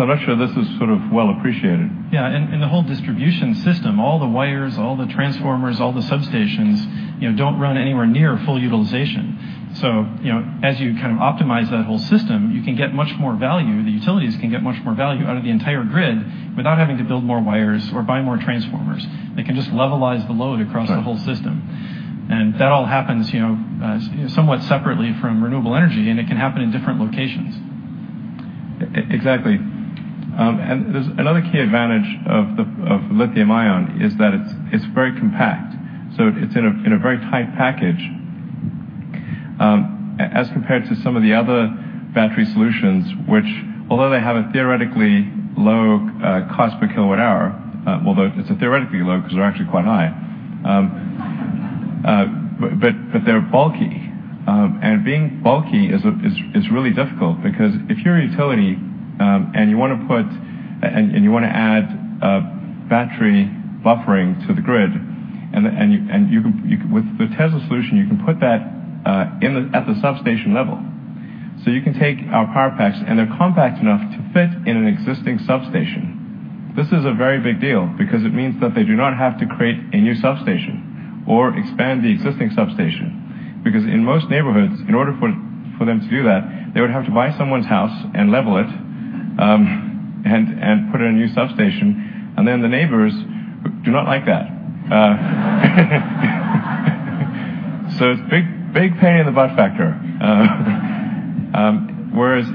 I'm not sure this is sort of well appreciated. Yeah. The whole distribution system, all the wires, all the transformers, all the substations, you know, don't run anywhere near full utilization. You know, as you kind of optimize that whole system, you can get much more value, the utilities can get much more value out of the entire grid without having to build more wires or buy more transformers. Right. The whole system. That all happens, you know, somewhat separately from renewable energy, and it can happen in different locations. Exactly. There's another key advantage of the lithium-ion is that it's very compact, so it's in a very tight package, as compared to some of the other battery solutions, which although they have a theoretically low cost per kilowatt-hour, although it's theoretically low because they're actually quite high. They're bulky. Being bulky is really difficult because if you're a utility, and you wanna add a battery buffering to the grid, and you can with the Tesla solution, you can put that at the substation level. You can take our Powerpacks, and they're compact enough to fit in an existing substation. This is a very big deal because it means that they do not have to create a new substation or expand the existing substation. In most neighborhoods, in order for them to do that, they would have to buy someone's house and level it, and put in a new substation, and then the neighbors do not like that. It's big pain-in-the-butt factor.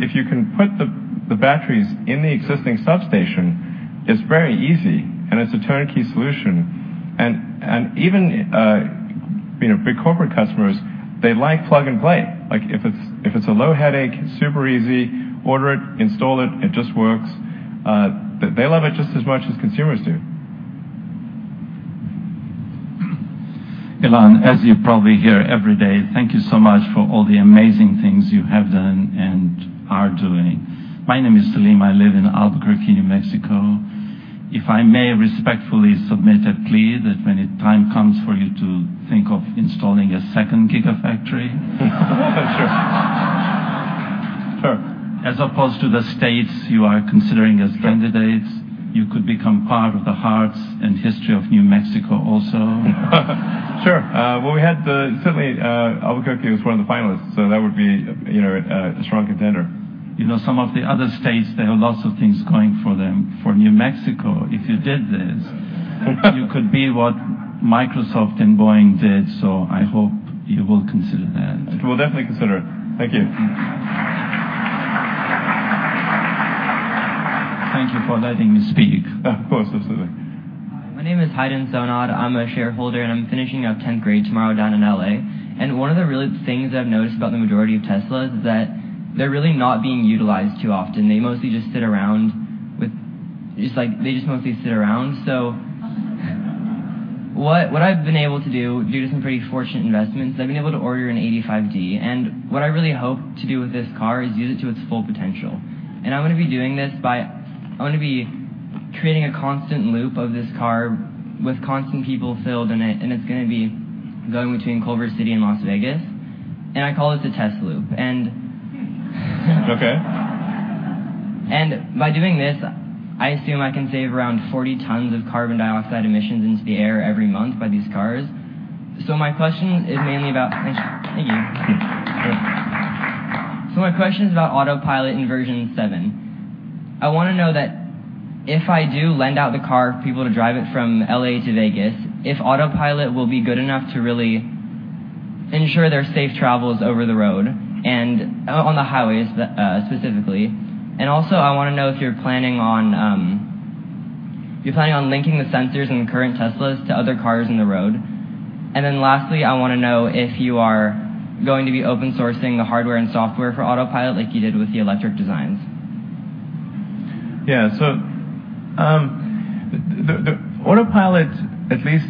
If you can put the batteries in the existing substation, it's very easy, and it's a turnkey solution. Even, you know, big corporate customers, they like plug-and-play. Like, if it's a low headache, super easy, order it, install it just works, they love it just as much as consumers do. Elon, as you probably hear every day, thank you so much for all the amazing things you have done and are doing. My name is Salim. I live in Albuquerque, New Mexico. If I may respectfully submit a plea that when time comes for you to think of installing a second Gigafactory. Sure. Sure. As opposed to the states you are considering. Sure. Candidates, you could become part of the hearts and history of New Mexico also. Sure. Well, certainly, Albuquerque was one of the finalists, that would be, you know, a strong contender. You know, some of the other states, they have lots of things going for them. For New Mexico, if you did this you could be what Microsoft and Boeing did. I hope you will consider that. We'll definitely consider it. Thank you. Thank you. Thank you for letting me speak. Of course, absolutely. Hi, my name is Haydn Sonnad. I'm a shareholder. I'm finishing up tenth grade tomorrow down in L.A. One of the really things I've noticed about the majority of Teslas is that they're really not being utilized too often. They mostly just sit around. What I've been able to do due to some pretty fortunate investments, I've been able to order an 85D. What I really hope to do with this car is use it to its full potential. I'm gonna be doing this. I'm gonna be creating a constant loop of this car with constant people filled in it, and it's gonna be going between Culver City and Las Vegas. I call it the Tesloop. Okay. And by doing this, I assume I can save around 40 tons of carbon dioxide emissions into the air every month by these cars. Thank you. Thank you. Sure. My question is about Autopilot in version 7. I wanna know that if I do lend out the car for people to drive it from L.A. to Vegas, if Autopilot will be good enough to really ensure their safe travels over the road and on the highways specifically. I wanna know if you're planning on linking the sensors in the current Teslas to other cars in the road. Lastly, I wanna know if you are going to be open sourcing the hardware and software for Autopilot like you did with the electric designs. Yeah. The Autopilot, at least,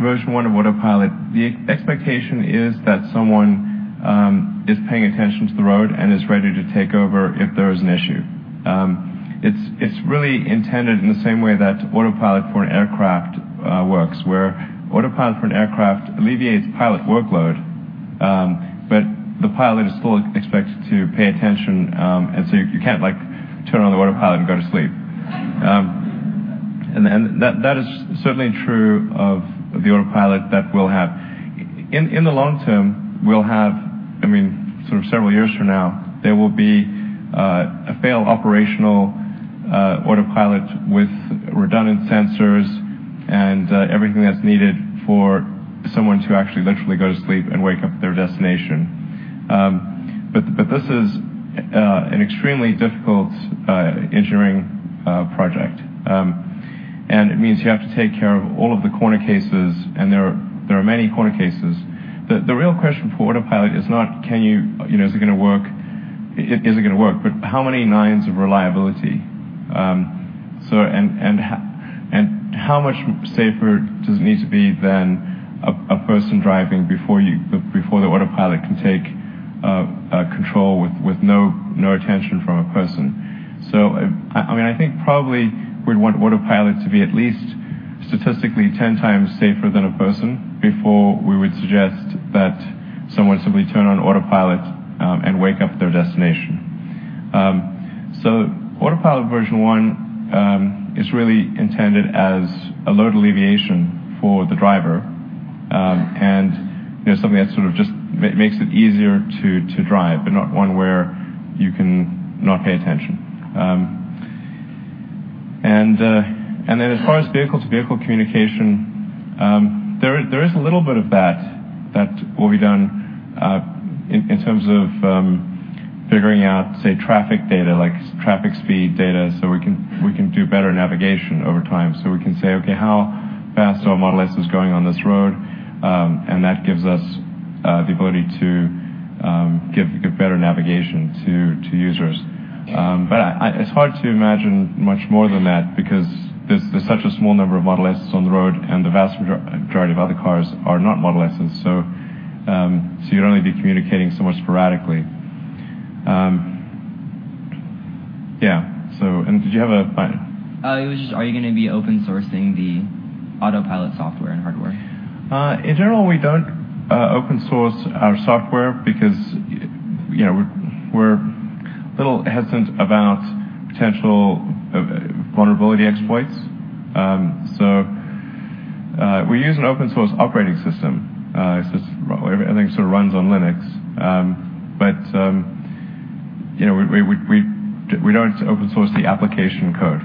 version 1 of Autopilot, the expectation is that someone is paying attention to the road and is ready to take over if there is an issue. It's really intended in the same way that Autopilot for an aircraft works, where Autopilot for an aircraft alleviates pilot workload, the pilot is still expected to pay attention. You can't, like, turn on the Autopilot and go to sleep. That is certainly true of the Autopilot that we'll have. In the long term, we'll have, I mean, sort of several years from now, there will be a fail-operational Autopilot with redundant sensors and everything that's needed for someone to actually literally go to sleep and wake up at their destination. This is an extremely difficult engineering project. And it means you have to take care of all of the corner cases, and there are many corner cases. The real question for Autopilot is not can you know, is it gonna work, how many nines of reliability? And how much safer does it need to be than a person driving before the Autopilot can take control with no attention from a person. I mean, I think probably we'd want Autopilot to be at least statistically 10x safer than a person before we would suggest that someone simply turn on Autopilot and wake up at their destination. Autopilot version 1, is really intended as a load alleviation for the driver, and, you know, something that sort of just makes it easier to drive, but not one where you can not pay attention. Then as far as vehicle-to-vehicle communication, there is a little bit of that that will be done in terms of figuring out, say, traffic data, like traffic speed data, so we can do better navigation over time. We can say, "Okay, how fast are Model Ss going on this road?" That gives us the ability to give better navigation to users. It's hard to imagine much more than that because there's such a small number of Model Ss on the road, and the vast majority of other cars are not Model Ss. You'd only be communicating so much sporadically. Did you have a Fine. Are you gonna be open sourcing the Autopilot software and hardware? In general, we don't open source our software because, you know, we're a little hesitant about potential vulnerability exploits. We use an open source operating system. It's just, well, everything sort of runs on Linux. You know, we don't open source the application code,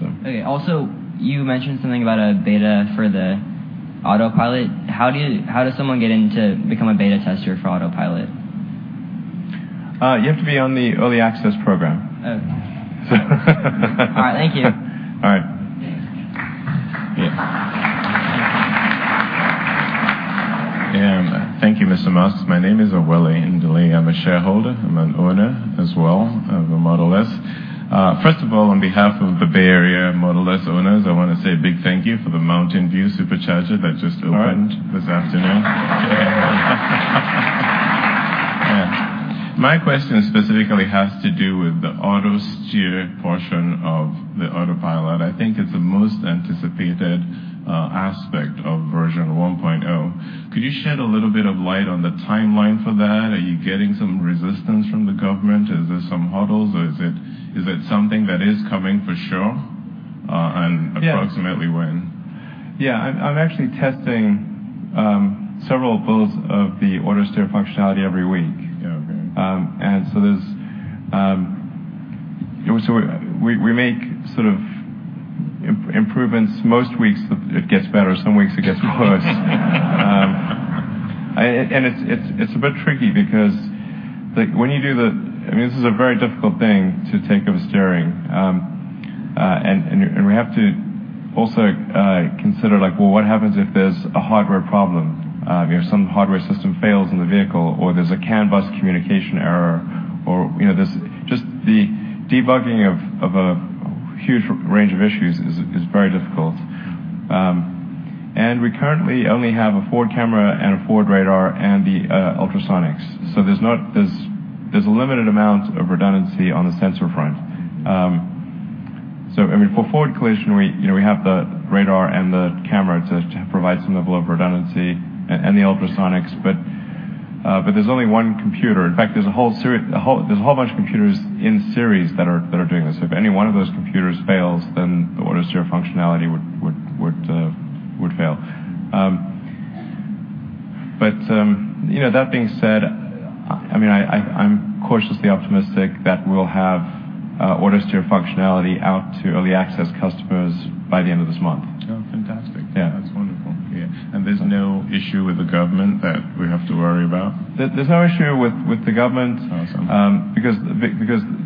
so. Okay. You mentioned something about a beta for the Autopilot. How does someone get in to become a beta tester for Autopilot? You have to be on the early access program. Oh, okay. All right. Thank you. All right. Thank you. Yeah. Yeah. Thank you, Mr. Musk. My name is Awele Ndili. I am a shareholder. I am an owner as well of a Model S. First of all, on behalf of the Bay Area Model S owners, I wanna say a big thank you for the Mountain View Supercharger that just opened. All right. This afternoon. Yeah. My question specifically has to do with the Autosteer portion of the Autopilot. I think it's the most anticipated aspect of version 1.0. Could you shed a little bit of light on the timeline for that? Are you getting some resistance from the government? Is there some hurdles, or is it something that is coming for sure? Yeah. Approximately when? Yeah. I'm actually testing several builds of the Autosteer functionality every week. Yeah, okay. There's You know, so we're, we make sort of improvements. Most weeks it gets better. Some weeks it gets worse. It's, it's a bit tricky because, like, when you do the I mean, this is a very difficult thing to take over steering. And you, and we have to also consider, like, well, what happens if there's a hardware problem, if some hardware system fails in the vehicle or there's a CAN bus communication error or, you know, there's just the debugging of a huge range of issues is very difficult. We currently only have a forward camera and a forward radar and the ultrasonics. There's a limited amount of redundancy on the sensor front. I mean, for forward collision we, you know, we have the radar and the camera to provide some level of redundancy and the ultrasonics, but there's only one computer. In fact, there's a whole bunch of computers in series that are doing this. If any one of those computers fails, then the Autosteer functionality would fail. You know, that being said, I mean, I'm cautiously optimistic that we'll have Autosteer functionality out to early access customers by the end of this month. Oh, fantastic. Yeah. That's wonderful. Yeah. There's no issue with the government that we have to worry about? There's no issue with the government. Awesome.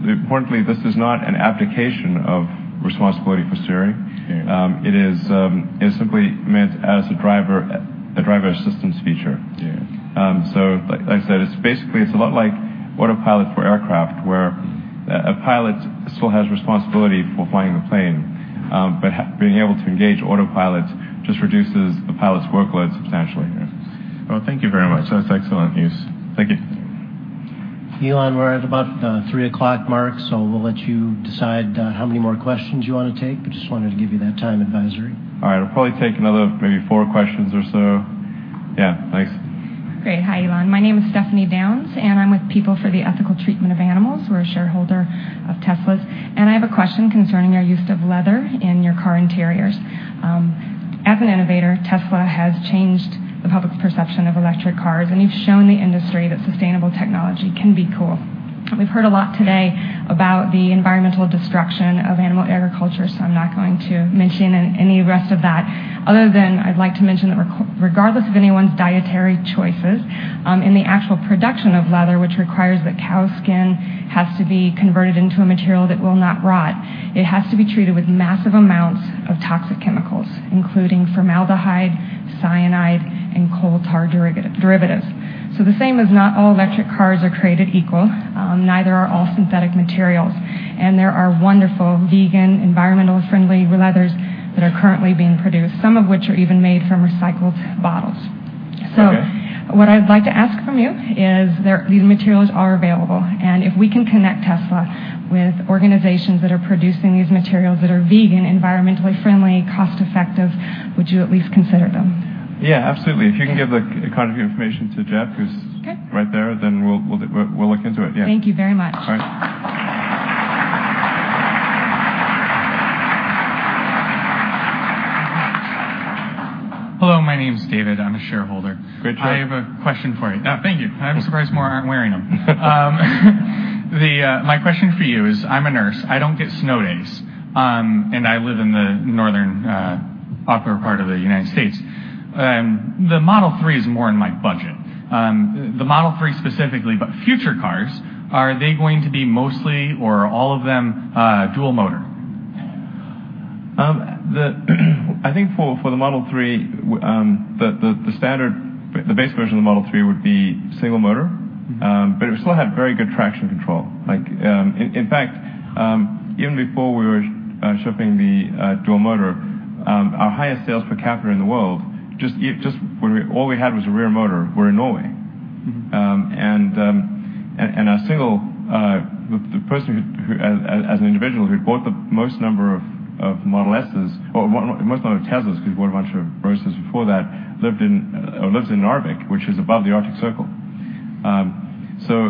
Importantly, this is not an abdication of responsibility for steering. Yeah. It is simply meant as a driver assistance feature. Yeah. Like I said, it's basically, it's a lot like Autopilot for aircraft. A pilot still has responsibility for flying the plane, but being able to engage Autopilot just reduces the pilot's workload substantially. Yeah. Well, thank you very much. That's excellent news. Thank you. Elon, we're at about the three o'clock mark, so we'll let you decide how many more questions you wanna take. I just wanted to give you that time advisory. All right. I'll probably take another maybe four questions or so. Yeah. Thanks. Great. Hi, Elon. My name is Stephanie Downs, and I'm with People for the Ethical Treatment of Animals. We're a shareholder of Tesla's, and I have a question concerning your use of leather in your car interiors. As an innovator, Tesla has changed the public's perception of electric cars, and you've shown the industry that sustainable technology can be cool. We've heard a lot today about the environmental destruction of animal agriculture, so I'm not going to mention any of rest of that other than I'd like to mention that regardless of anyone's dietary choices, in the actual production of leather, which requires that cow skin has to be converted into a material that will not rot, it has to be treated with massive amounts of toxic chemicals, including formaldehyde, cyanide, and coal tar derivatives. The same as not all electric cars are created equal, neither are all synthetic materials, and there are wonderful vegan, environmental-friendly leathers that are currently being produced, some of which are even made from recycled bottles. Okay. What I'd like to ask from you, these materials are available, and if we can connect Tesla with organizations that are producing these materials that are vegan, environmentally friendly, cost-effective, would you at least consider them? Yeah, absolutely. Okay. If you can give your information to Jeff Evanson who's. Okay. Right there, then we'll look into it, yeah. Thank you very much. All right. Hello, my name's David. I'm a shareholder. Great shirt. I have a question for you. Thank you. I'm surprised more aren't wearing them. My question for you is I'm a nurse. I don't get snow days, and I live in the northern, upper part of the U.S. The Model 3 is more in my budget. The Model 3 specifically, but future cars, are they going to be mostly or all of them, dual motor? I think for the Model 3, the standard, the base version of the Model 3 would be single motor. It would still have very good traction control. Like, in fact, even before we were shipping the dual motor, our highest sales per capita in the world just when all we had was a rear motor, were in Norway. Our, the person who as an individual, who bought the most number of Model Ss or most number of Teslas, because he bought a bunch of Roadsters before that, lived in, lives in Narvik, which is above the Arctic Circle.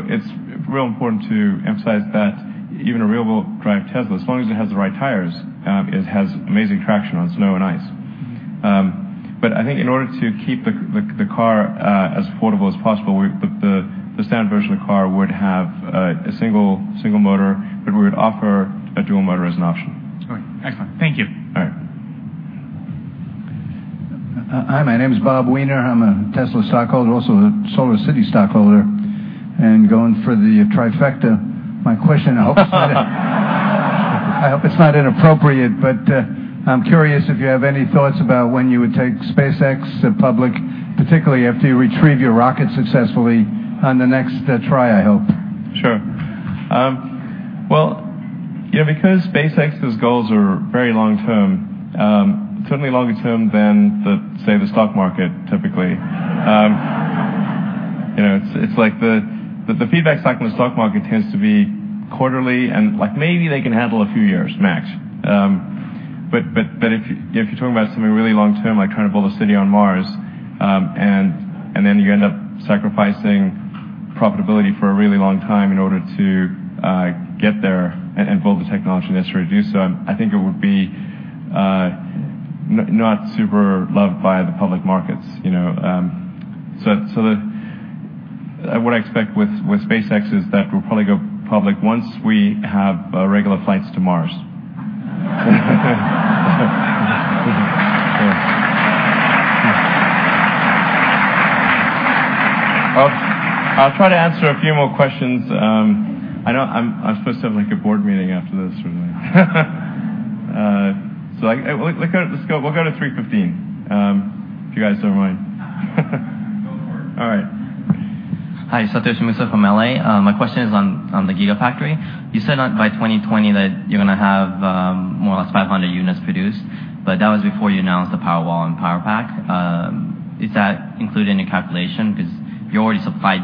It's real important to emphasize that even a rear wheel drive Tesla, as long as it has the right tires, it has amazing traction on snow and ice. I think in order to keep the car as affordable as possible, the standard version of the car would have a single motor, but we would offer a dual motor as an option. All right. Excellent. Thank you. All right. Hi, my name is Bob Weiner. I'm a Tesla stockholder, also a SolarCity stockholder, and going for the trifecta. My question, I hope it's not inappropriate, but I'm curious if you have any thoughts about when you would take SpaceX public, particularly after you retrieve your rocket successfully on the next try, I hope. Sure. Well, yeah, because SpaceX's goals are very long term, certainly longer term than the, say, the stock market typically. You know, it's like the feedback cycle in the stock market tends to be quarterly and, like, maybe they can handle a few years max. If you're talking about something really long term, like trying to build a city on Mars, and then you end up sacrificing profitability for a really long time in order to get there and build the technology necessary to do so, I think it would be not super loved by the public markets, you know. What I expect with SpaceX is that we'll probably go public once we have regular flights to Mars. Yeah. I'll try to answer a few more questions. I know I'm supposed to have, like, a board meeting after this or something. Let's go, we'll go to 3:15 if you guys don't mind. Go for it. All right. Hi. Satoshi Mizu from L.A. My question is on the Gigafactory. You said by 2020 that you're gonna have more or less 500 units produced, but that was before you announced the Powerwall and Powerpack. Is that included in your calculation? 'Cause you're already supply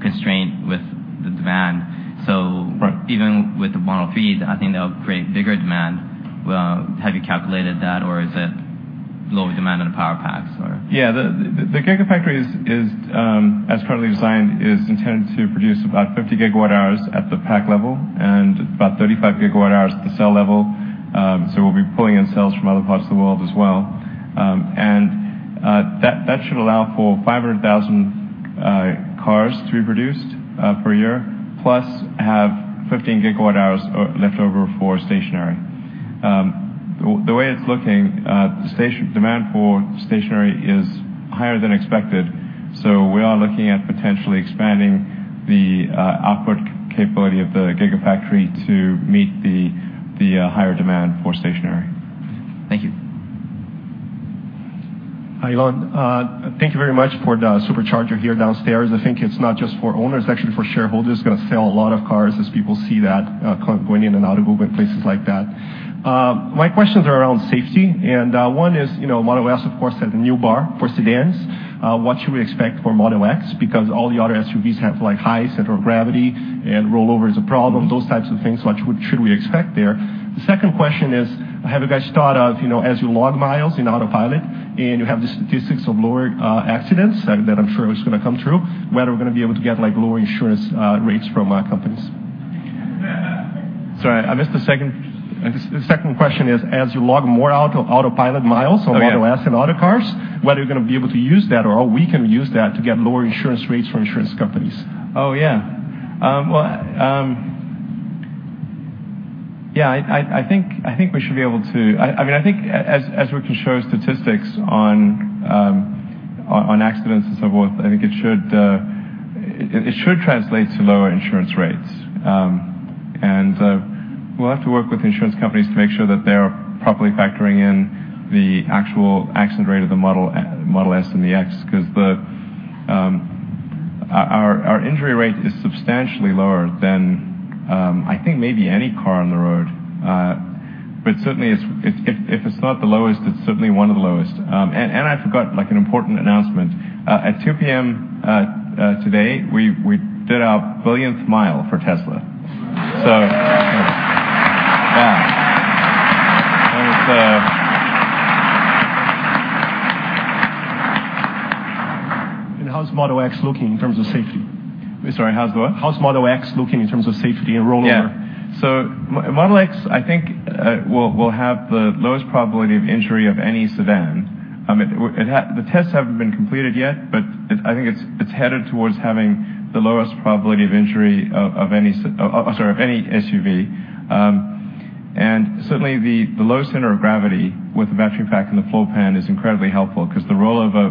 constrained with the demand. Right. Even with the Model 3, I think that'll create bigger demand. Well, have you calculated that, or is it lower demand on the Powerpacks or? Yeah. The Gigafactory is, as currently designed, is intended to produce about 50 GWh at the pack level and about 35 GWh at the cell level. We'll be pulling in cells from other parts of the world as well. That should allow for 500,000 cars to be produced per year, plus have 15 GWh left over for stationary. The way it's looking, the demand for stationary is higher than expected, we are looking at potentially expanding the output capability of the Gigafactory to meet the higher demand for stationary. Thank you. Hi, Elon. Thank you very much for the Supercharger here downstairs. I think it's not just for owners, it's actually for shareholders. It's gonna sell a lot of cars as people see that going in and out of Google and places like that. My questions are around safety, and one is, you know, Model S, of course, set a new bar for sedans. What should we expect for Model X? Because all the other SUVs have, like, high center of gravity, and rollover is a problem. Those types of things. What should we expect there? The second question is, have you guys thought of, you know, as you log miles in Autopilot, and you have the statistics of lower accidents, that I'm sure is gonna come true, whether we're gonna be able to get, like, lower insurance rates from companies? Sorry, I missed the second- The second question is, as you log more Autopilot miles. Oh, yeah. On Model S and other cars, whether you're gonna be able to use that or how we can use that to get lower insurance rates from insurance companies. Yeah. Well, yeah, I think we should be able to, I think as we can show statistics on accidents and so forth, I think it should translate to lower insurance rates. We'll have to work with insurance companies to make sure that they are properly factoring in the actual accident rate of the Model S and the X 'cause our injury rate is substantially lower than, I think maybe any car on the road. Certainly it's, if it's not the lowest, it's certainly one of the lowest. I forgot, like, an important announcement. At 2:00 P.M. today, we did our billionth mile for Tesla. Yeah. How's Model X looking in terms of safety? Sorry, how's what? How's Model X looking in terms of safety and rollover? Model X, I think, will have the lowest probability of injury of any sedan. I mean, the tests haven't been completed yet, but it, I think it's headed towards having the lowest probability of injury of any SUV. Certainly the low center of gravity with the battery pack and the floor pan is incredibly helpful 'cause the rollover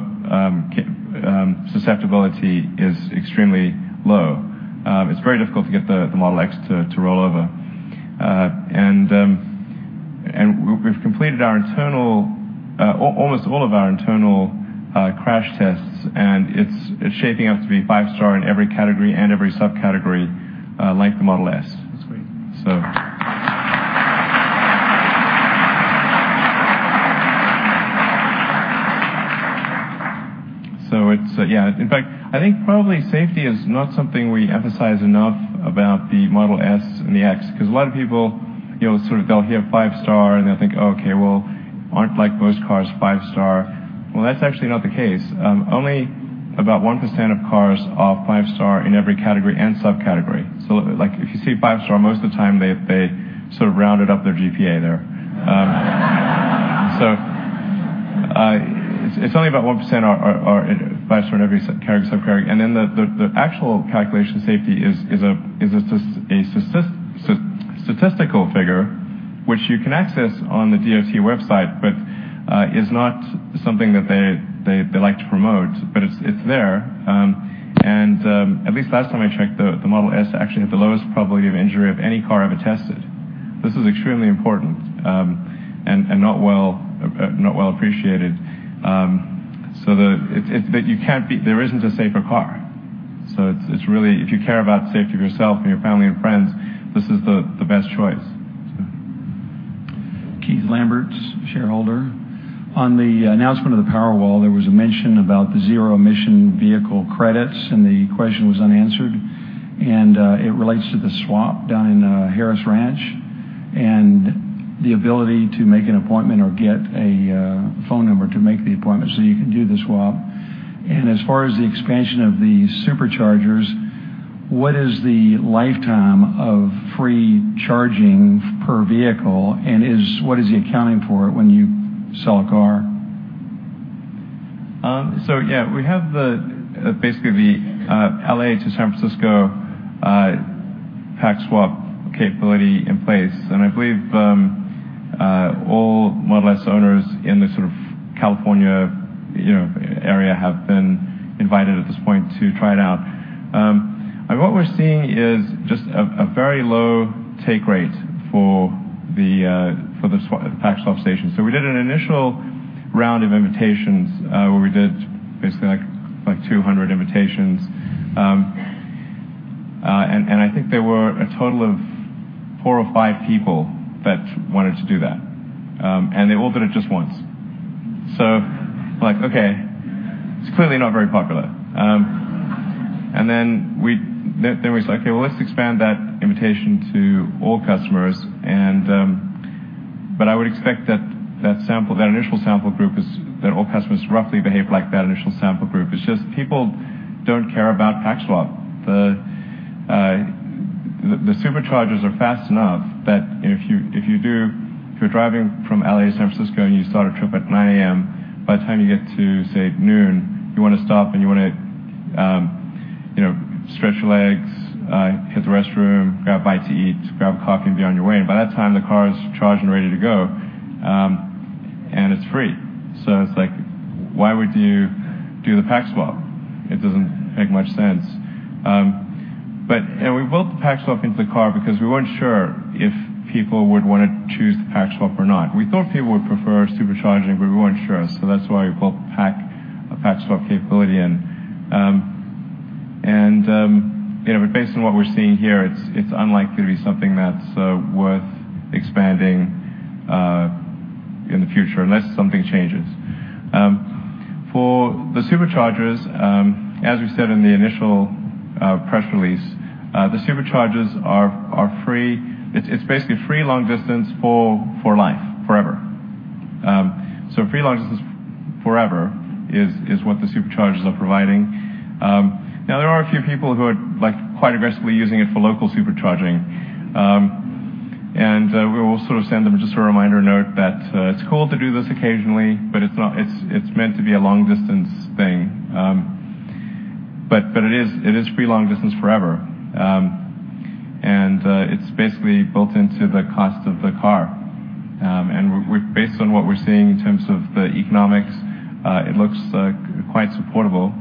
susceptibility is extremely low. It's very difficult to get the Model X to roll over. We've completed our internal almost all of our internal crash tests, and it's shaping up to be five-star in every category and every subcategory, like the Model S. That's great. It's, yeah. In fact, I think probably safety is not something we emphasize enough about the Model S and the X 'cause a lot of people, you know, sort of they'll hear five-star and they'll think, "Oh, okay, well, aren't, like, most cars five-star?" Well, that's actually not the case. Only about 1% of cars are five-star in every category and subcategory. Like, if you see five-star, most of the time they've sort of rounded up their GPA there. It's only about 1% are five-star in every subcategory. The actual calculation safety is a statistical figure which you can access on the DOT website, but is not something that they like to promote. It's there. At least last time I checked, the Model S actually had the lowest probability of injury of any car ever tested. This is extremely important, and not well appreciated. There isn't a safer car. It's really, if you care about safety of yourself and your family and friends, this is the best choice. Keith Lambert, shareholder. On the announcement of the Powerwall, there was a mention about the Zero Emission Vehicle credits, and the question was unanswered. It relates to the swap down in Harris Ranch and the ability to make an appointment or get a phone number to make the appointment so you can do the swap. As far as the expansion of the Superchargers, what is the lifetime of free charging per vehicle, and what is the accounting for it when you sell a car? Yeah, we have the, basically the, L.A. to San Francisco, pack swap capability in place, and I believe, all Model S owners in the sort of California, you know, area have been invited at this point to try it out. What we're seeing is just a very low take rate for the, for the pack swap station. We did an initial round of invitations, where we did basically like 200 invitations. I think there were a total of four or five people that wanted to do that. They all did it just once. Like, okay, it's clearly not very popular. Then we said, "Okay, well, let's expand that invitation to all customers." I would expect that that sample, that initial sample group is, that all customers roughly behave like that initial sample group. It's just people don't care about pack swap. The Superchargers are fast enough that if you're driving from L.A. to San Francisco and you start a trip at 9:00 A.M., by the time you get to, say, noon, you wanna stop and you wanna, you know, stretch your legs, hit the restroom, grab a bite to eat, grab a coffee and be on your way. By that time, the car is charged and ready to go. It's free. It's like, why would you do the pack swap? It doesn't make much sense. We built the pack swap into the car because we weren't sure if people would want to choose the pack swap or not. We thought people would prefer Supercharging, we weren't sure. That's why we built a pack swap capability in. You know, based on what we're seeing here, it's unlikely to be something that's worth expanding in the future unless something changes. For the Superchargers, as we said in the initial press release, the Superchargers are free. It's basically free long distance for life, forever. Free long distance forever is what the Superchargers are providing. Now there are a few people who are, like, quite aggressively using it for local Supercharging. We will sort of send them just a reminder note that it's cool to do this occasionally, but it's meant to be a long distance thing. It is free long distance forever. It's basically built into the cost of the car. Based on what we're seeing in terms of the economics, it looks quite supportable.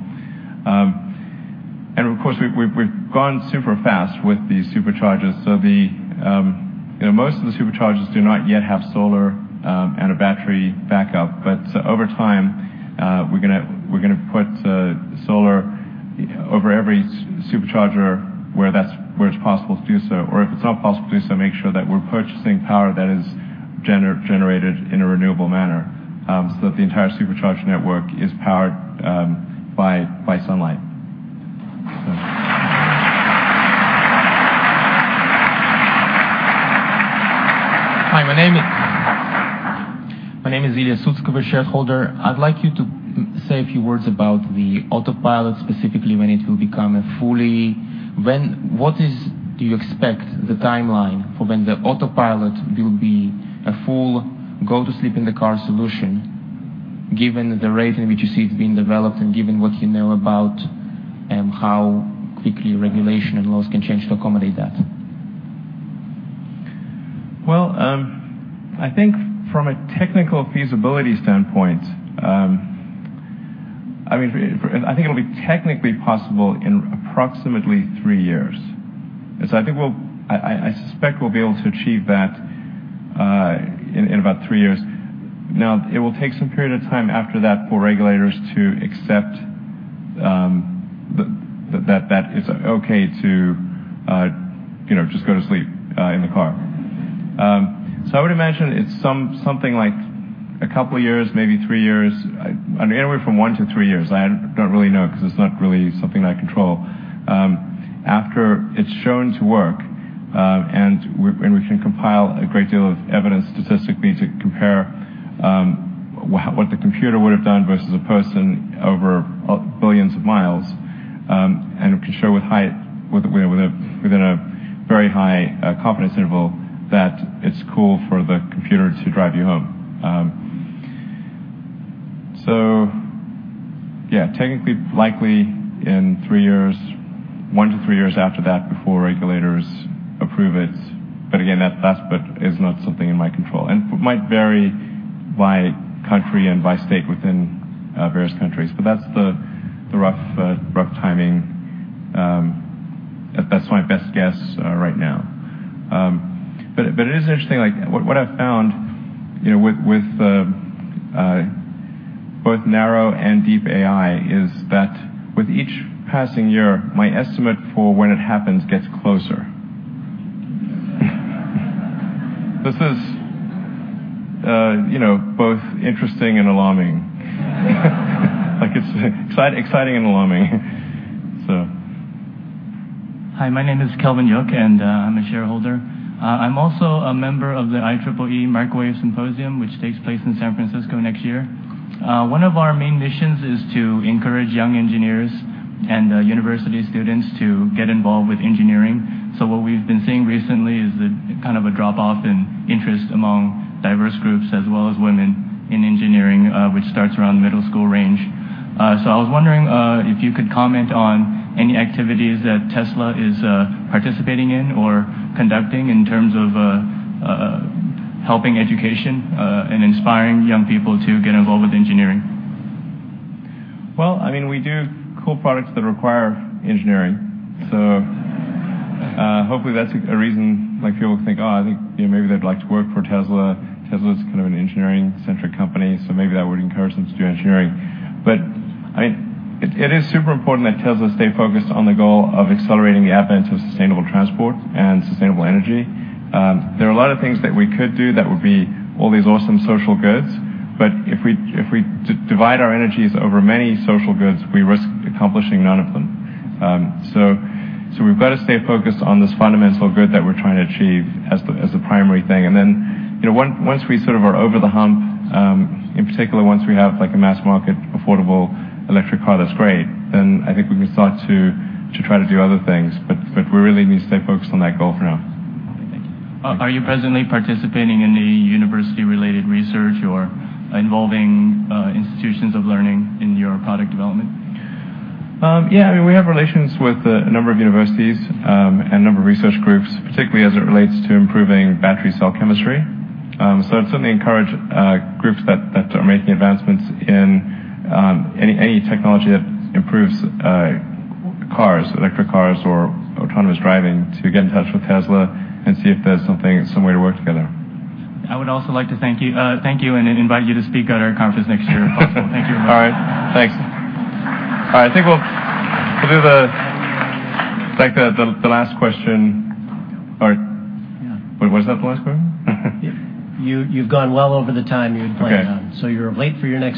Of course, we've gone super fast with these Superchargers. You know, most of the Superchargers do not yet have solar and a battery backup. Over time, we're gonna put solar over every Supercharger where it's possible to do so. If it's not possible to do so, make sure that we're purchasing power that is generated in a renewable manner, so that the entire Supercharger network is powered by sunlight. Hi, my name is Ilya Sutskever, shareholder. I'd like you to say a few words about the Autopilot, specifically do you expect the timeline for when the Autopilot will be a full go-to-sleep-in-the-car solution given the rate in which you see it being developed and given what you know about how quickly regulation and laws can change to accommodate that? Well, I think from a technical feasibility standpoint, I mean, I think it'll be technically possible in approximately three years. I suspect we'll be able to achieve that in about three years. Now, it will take some period of time after that for regulators to accept that it's okay to, you know, just go to sleep in the car. So I would imagine it's something like two years, maybe three years. Anywhere from one to three years. I don't really know 'cause it's not really something I control. After it's shown to work, and we can compile a great deal of evidence statistically to compare what the computer would've done versus a person over billions of miles, and we can show with a very high confidence interval that it's cool for the computer to drive you home. Yeah, technically, likely in three years, one to three years after that before regulators approve it. Again, that's, but is not something in my control. Might vary by country and by state within various countries. That's the rough timing. That's my best guess right now. It is interesting, like what I've found, you know, with both narrow and deep AI is that with each passing year, my estimate for when it happens gets closer. This is, you know, both interesting and alarming. Like it's exciting and alarming. Hi, my name is Kelvin Yoke and I'm a shareholder. I'm also a member of the IEEE Microwave Symposium, which takes place in San Francisco next year. One of our main missions is to encourage young engineers and university students to get involved with engineering. What we've been seeing recently is the kind of a drop off in interest among diverse groups as well as women in engineering, which starts around middle school range. I was wondering if you could comment on any activities that Tesla is participating in or conducting in terms of helping education and inspiring young people to get involved with engineering. I mean, we do cool products that require engineering. Hopefully, that's a reason like people think, oh, I think, you know, maybe they'd like to work for Tesla. Tesla's kind of an engineering-centric company, maybe that would encourage them to do engineering. I mean, it is super important that Tesla stay focused on the goal of accelerating the advent of sustainable transport and sustainable energy. There are a lot of things that we could do that would be all these awesome social goods, but if we divide our energies over many social goods, we risk accomplishing none of them. We've gotta stay focused on this fundamental good that we're trying to achieve as the primary thing. You know, once we sort of are over the hump, in particular once we have like a mass market affordable electric car that's great, then I think we can start to try to do other things. We really need to stay focused on that goal for now. Thank you. Are you presently participating in any university-related research or involving institutions of learning in your product development? Yeah, I mean, we have relations with a number of universities and a number of research groups, particularly as it relates to improving battery cell chemistry. I'd certainly encourage groups that are making advancements in any technology that improves cars, electric cars or autonomous driving to get in touch with Tesla and see if there's some way to work together. I would also like to thank you and invite you to speak at our conference next year also. Thank you very much. All right. Thanks. All right. I think we'll do the last question. Yeah. Wait, was that the last question? You've gone well over the time you had planned on. Okay. You're late for your next-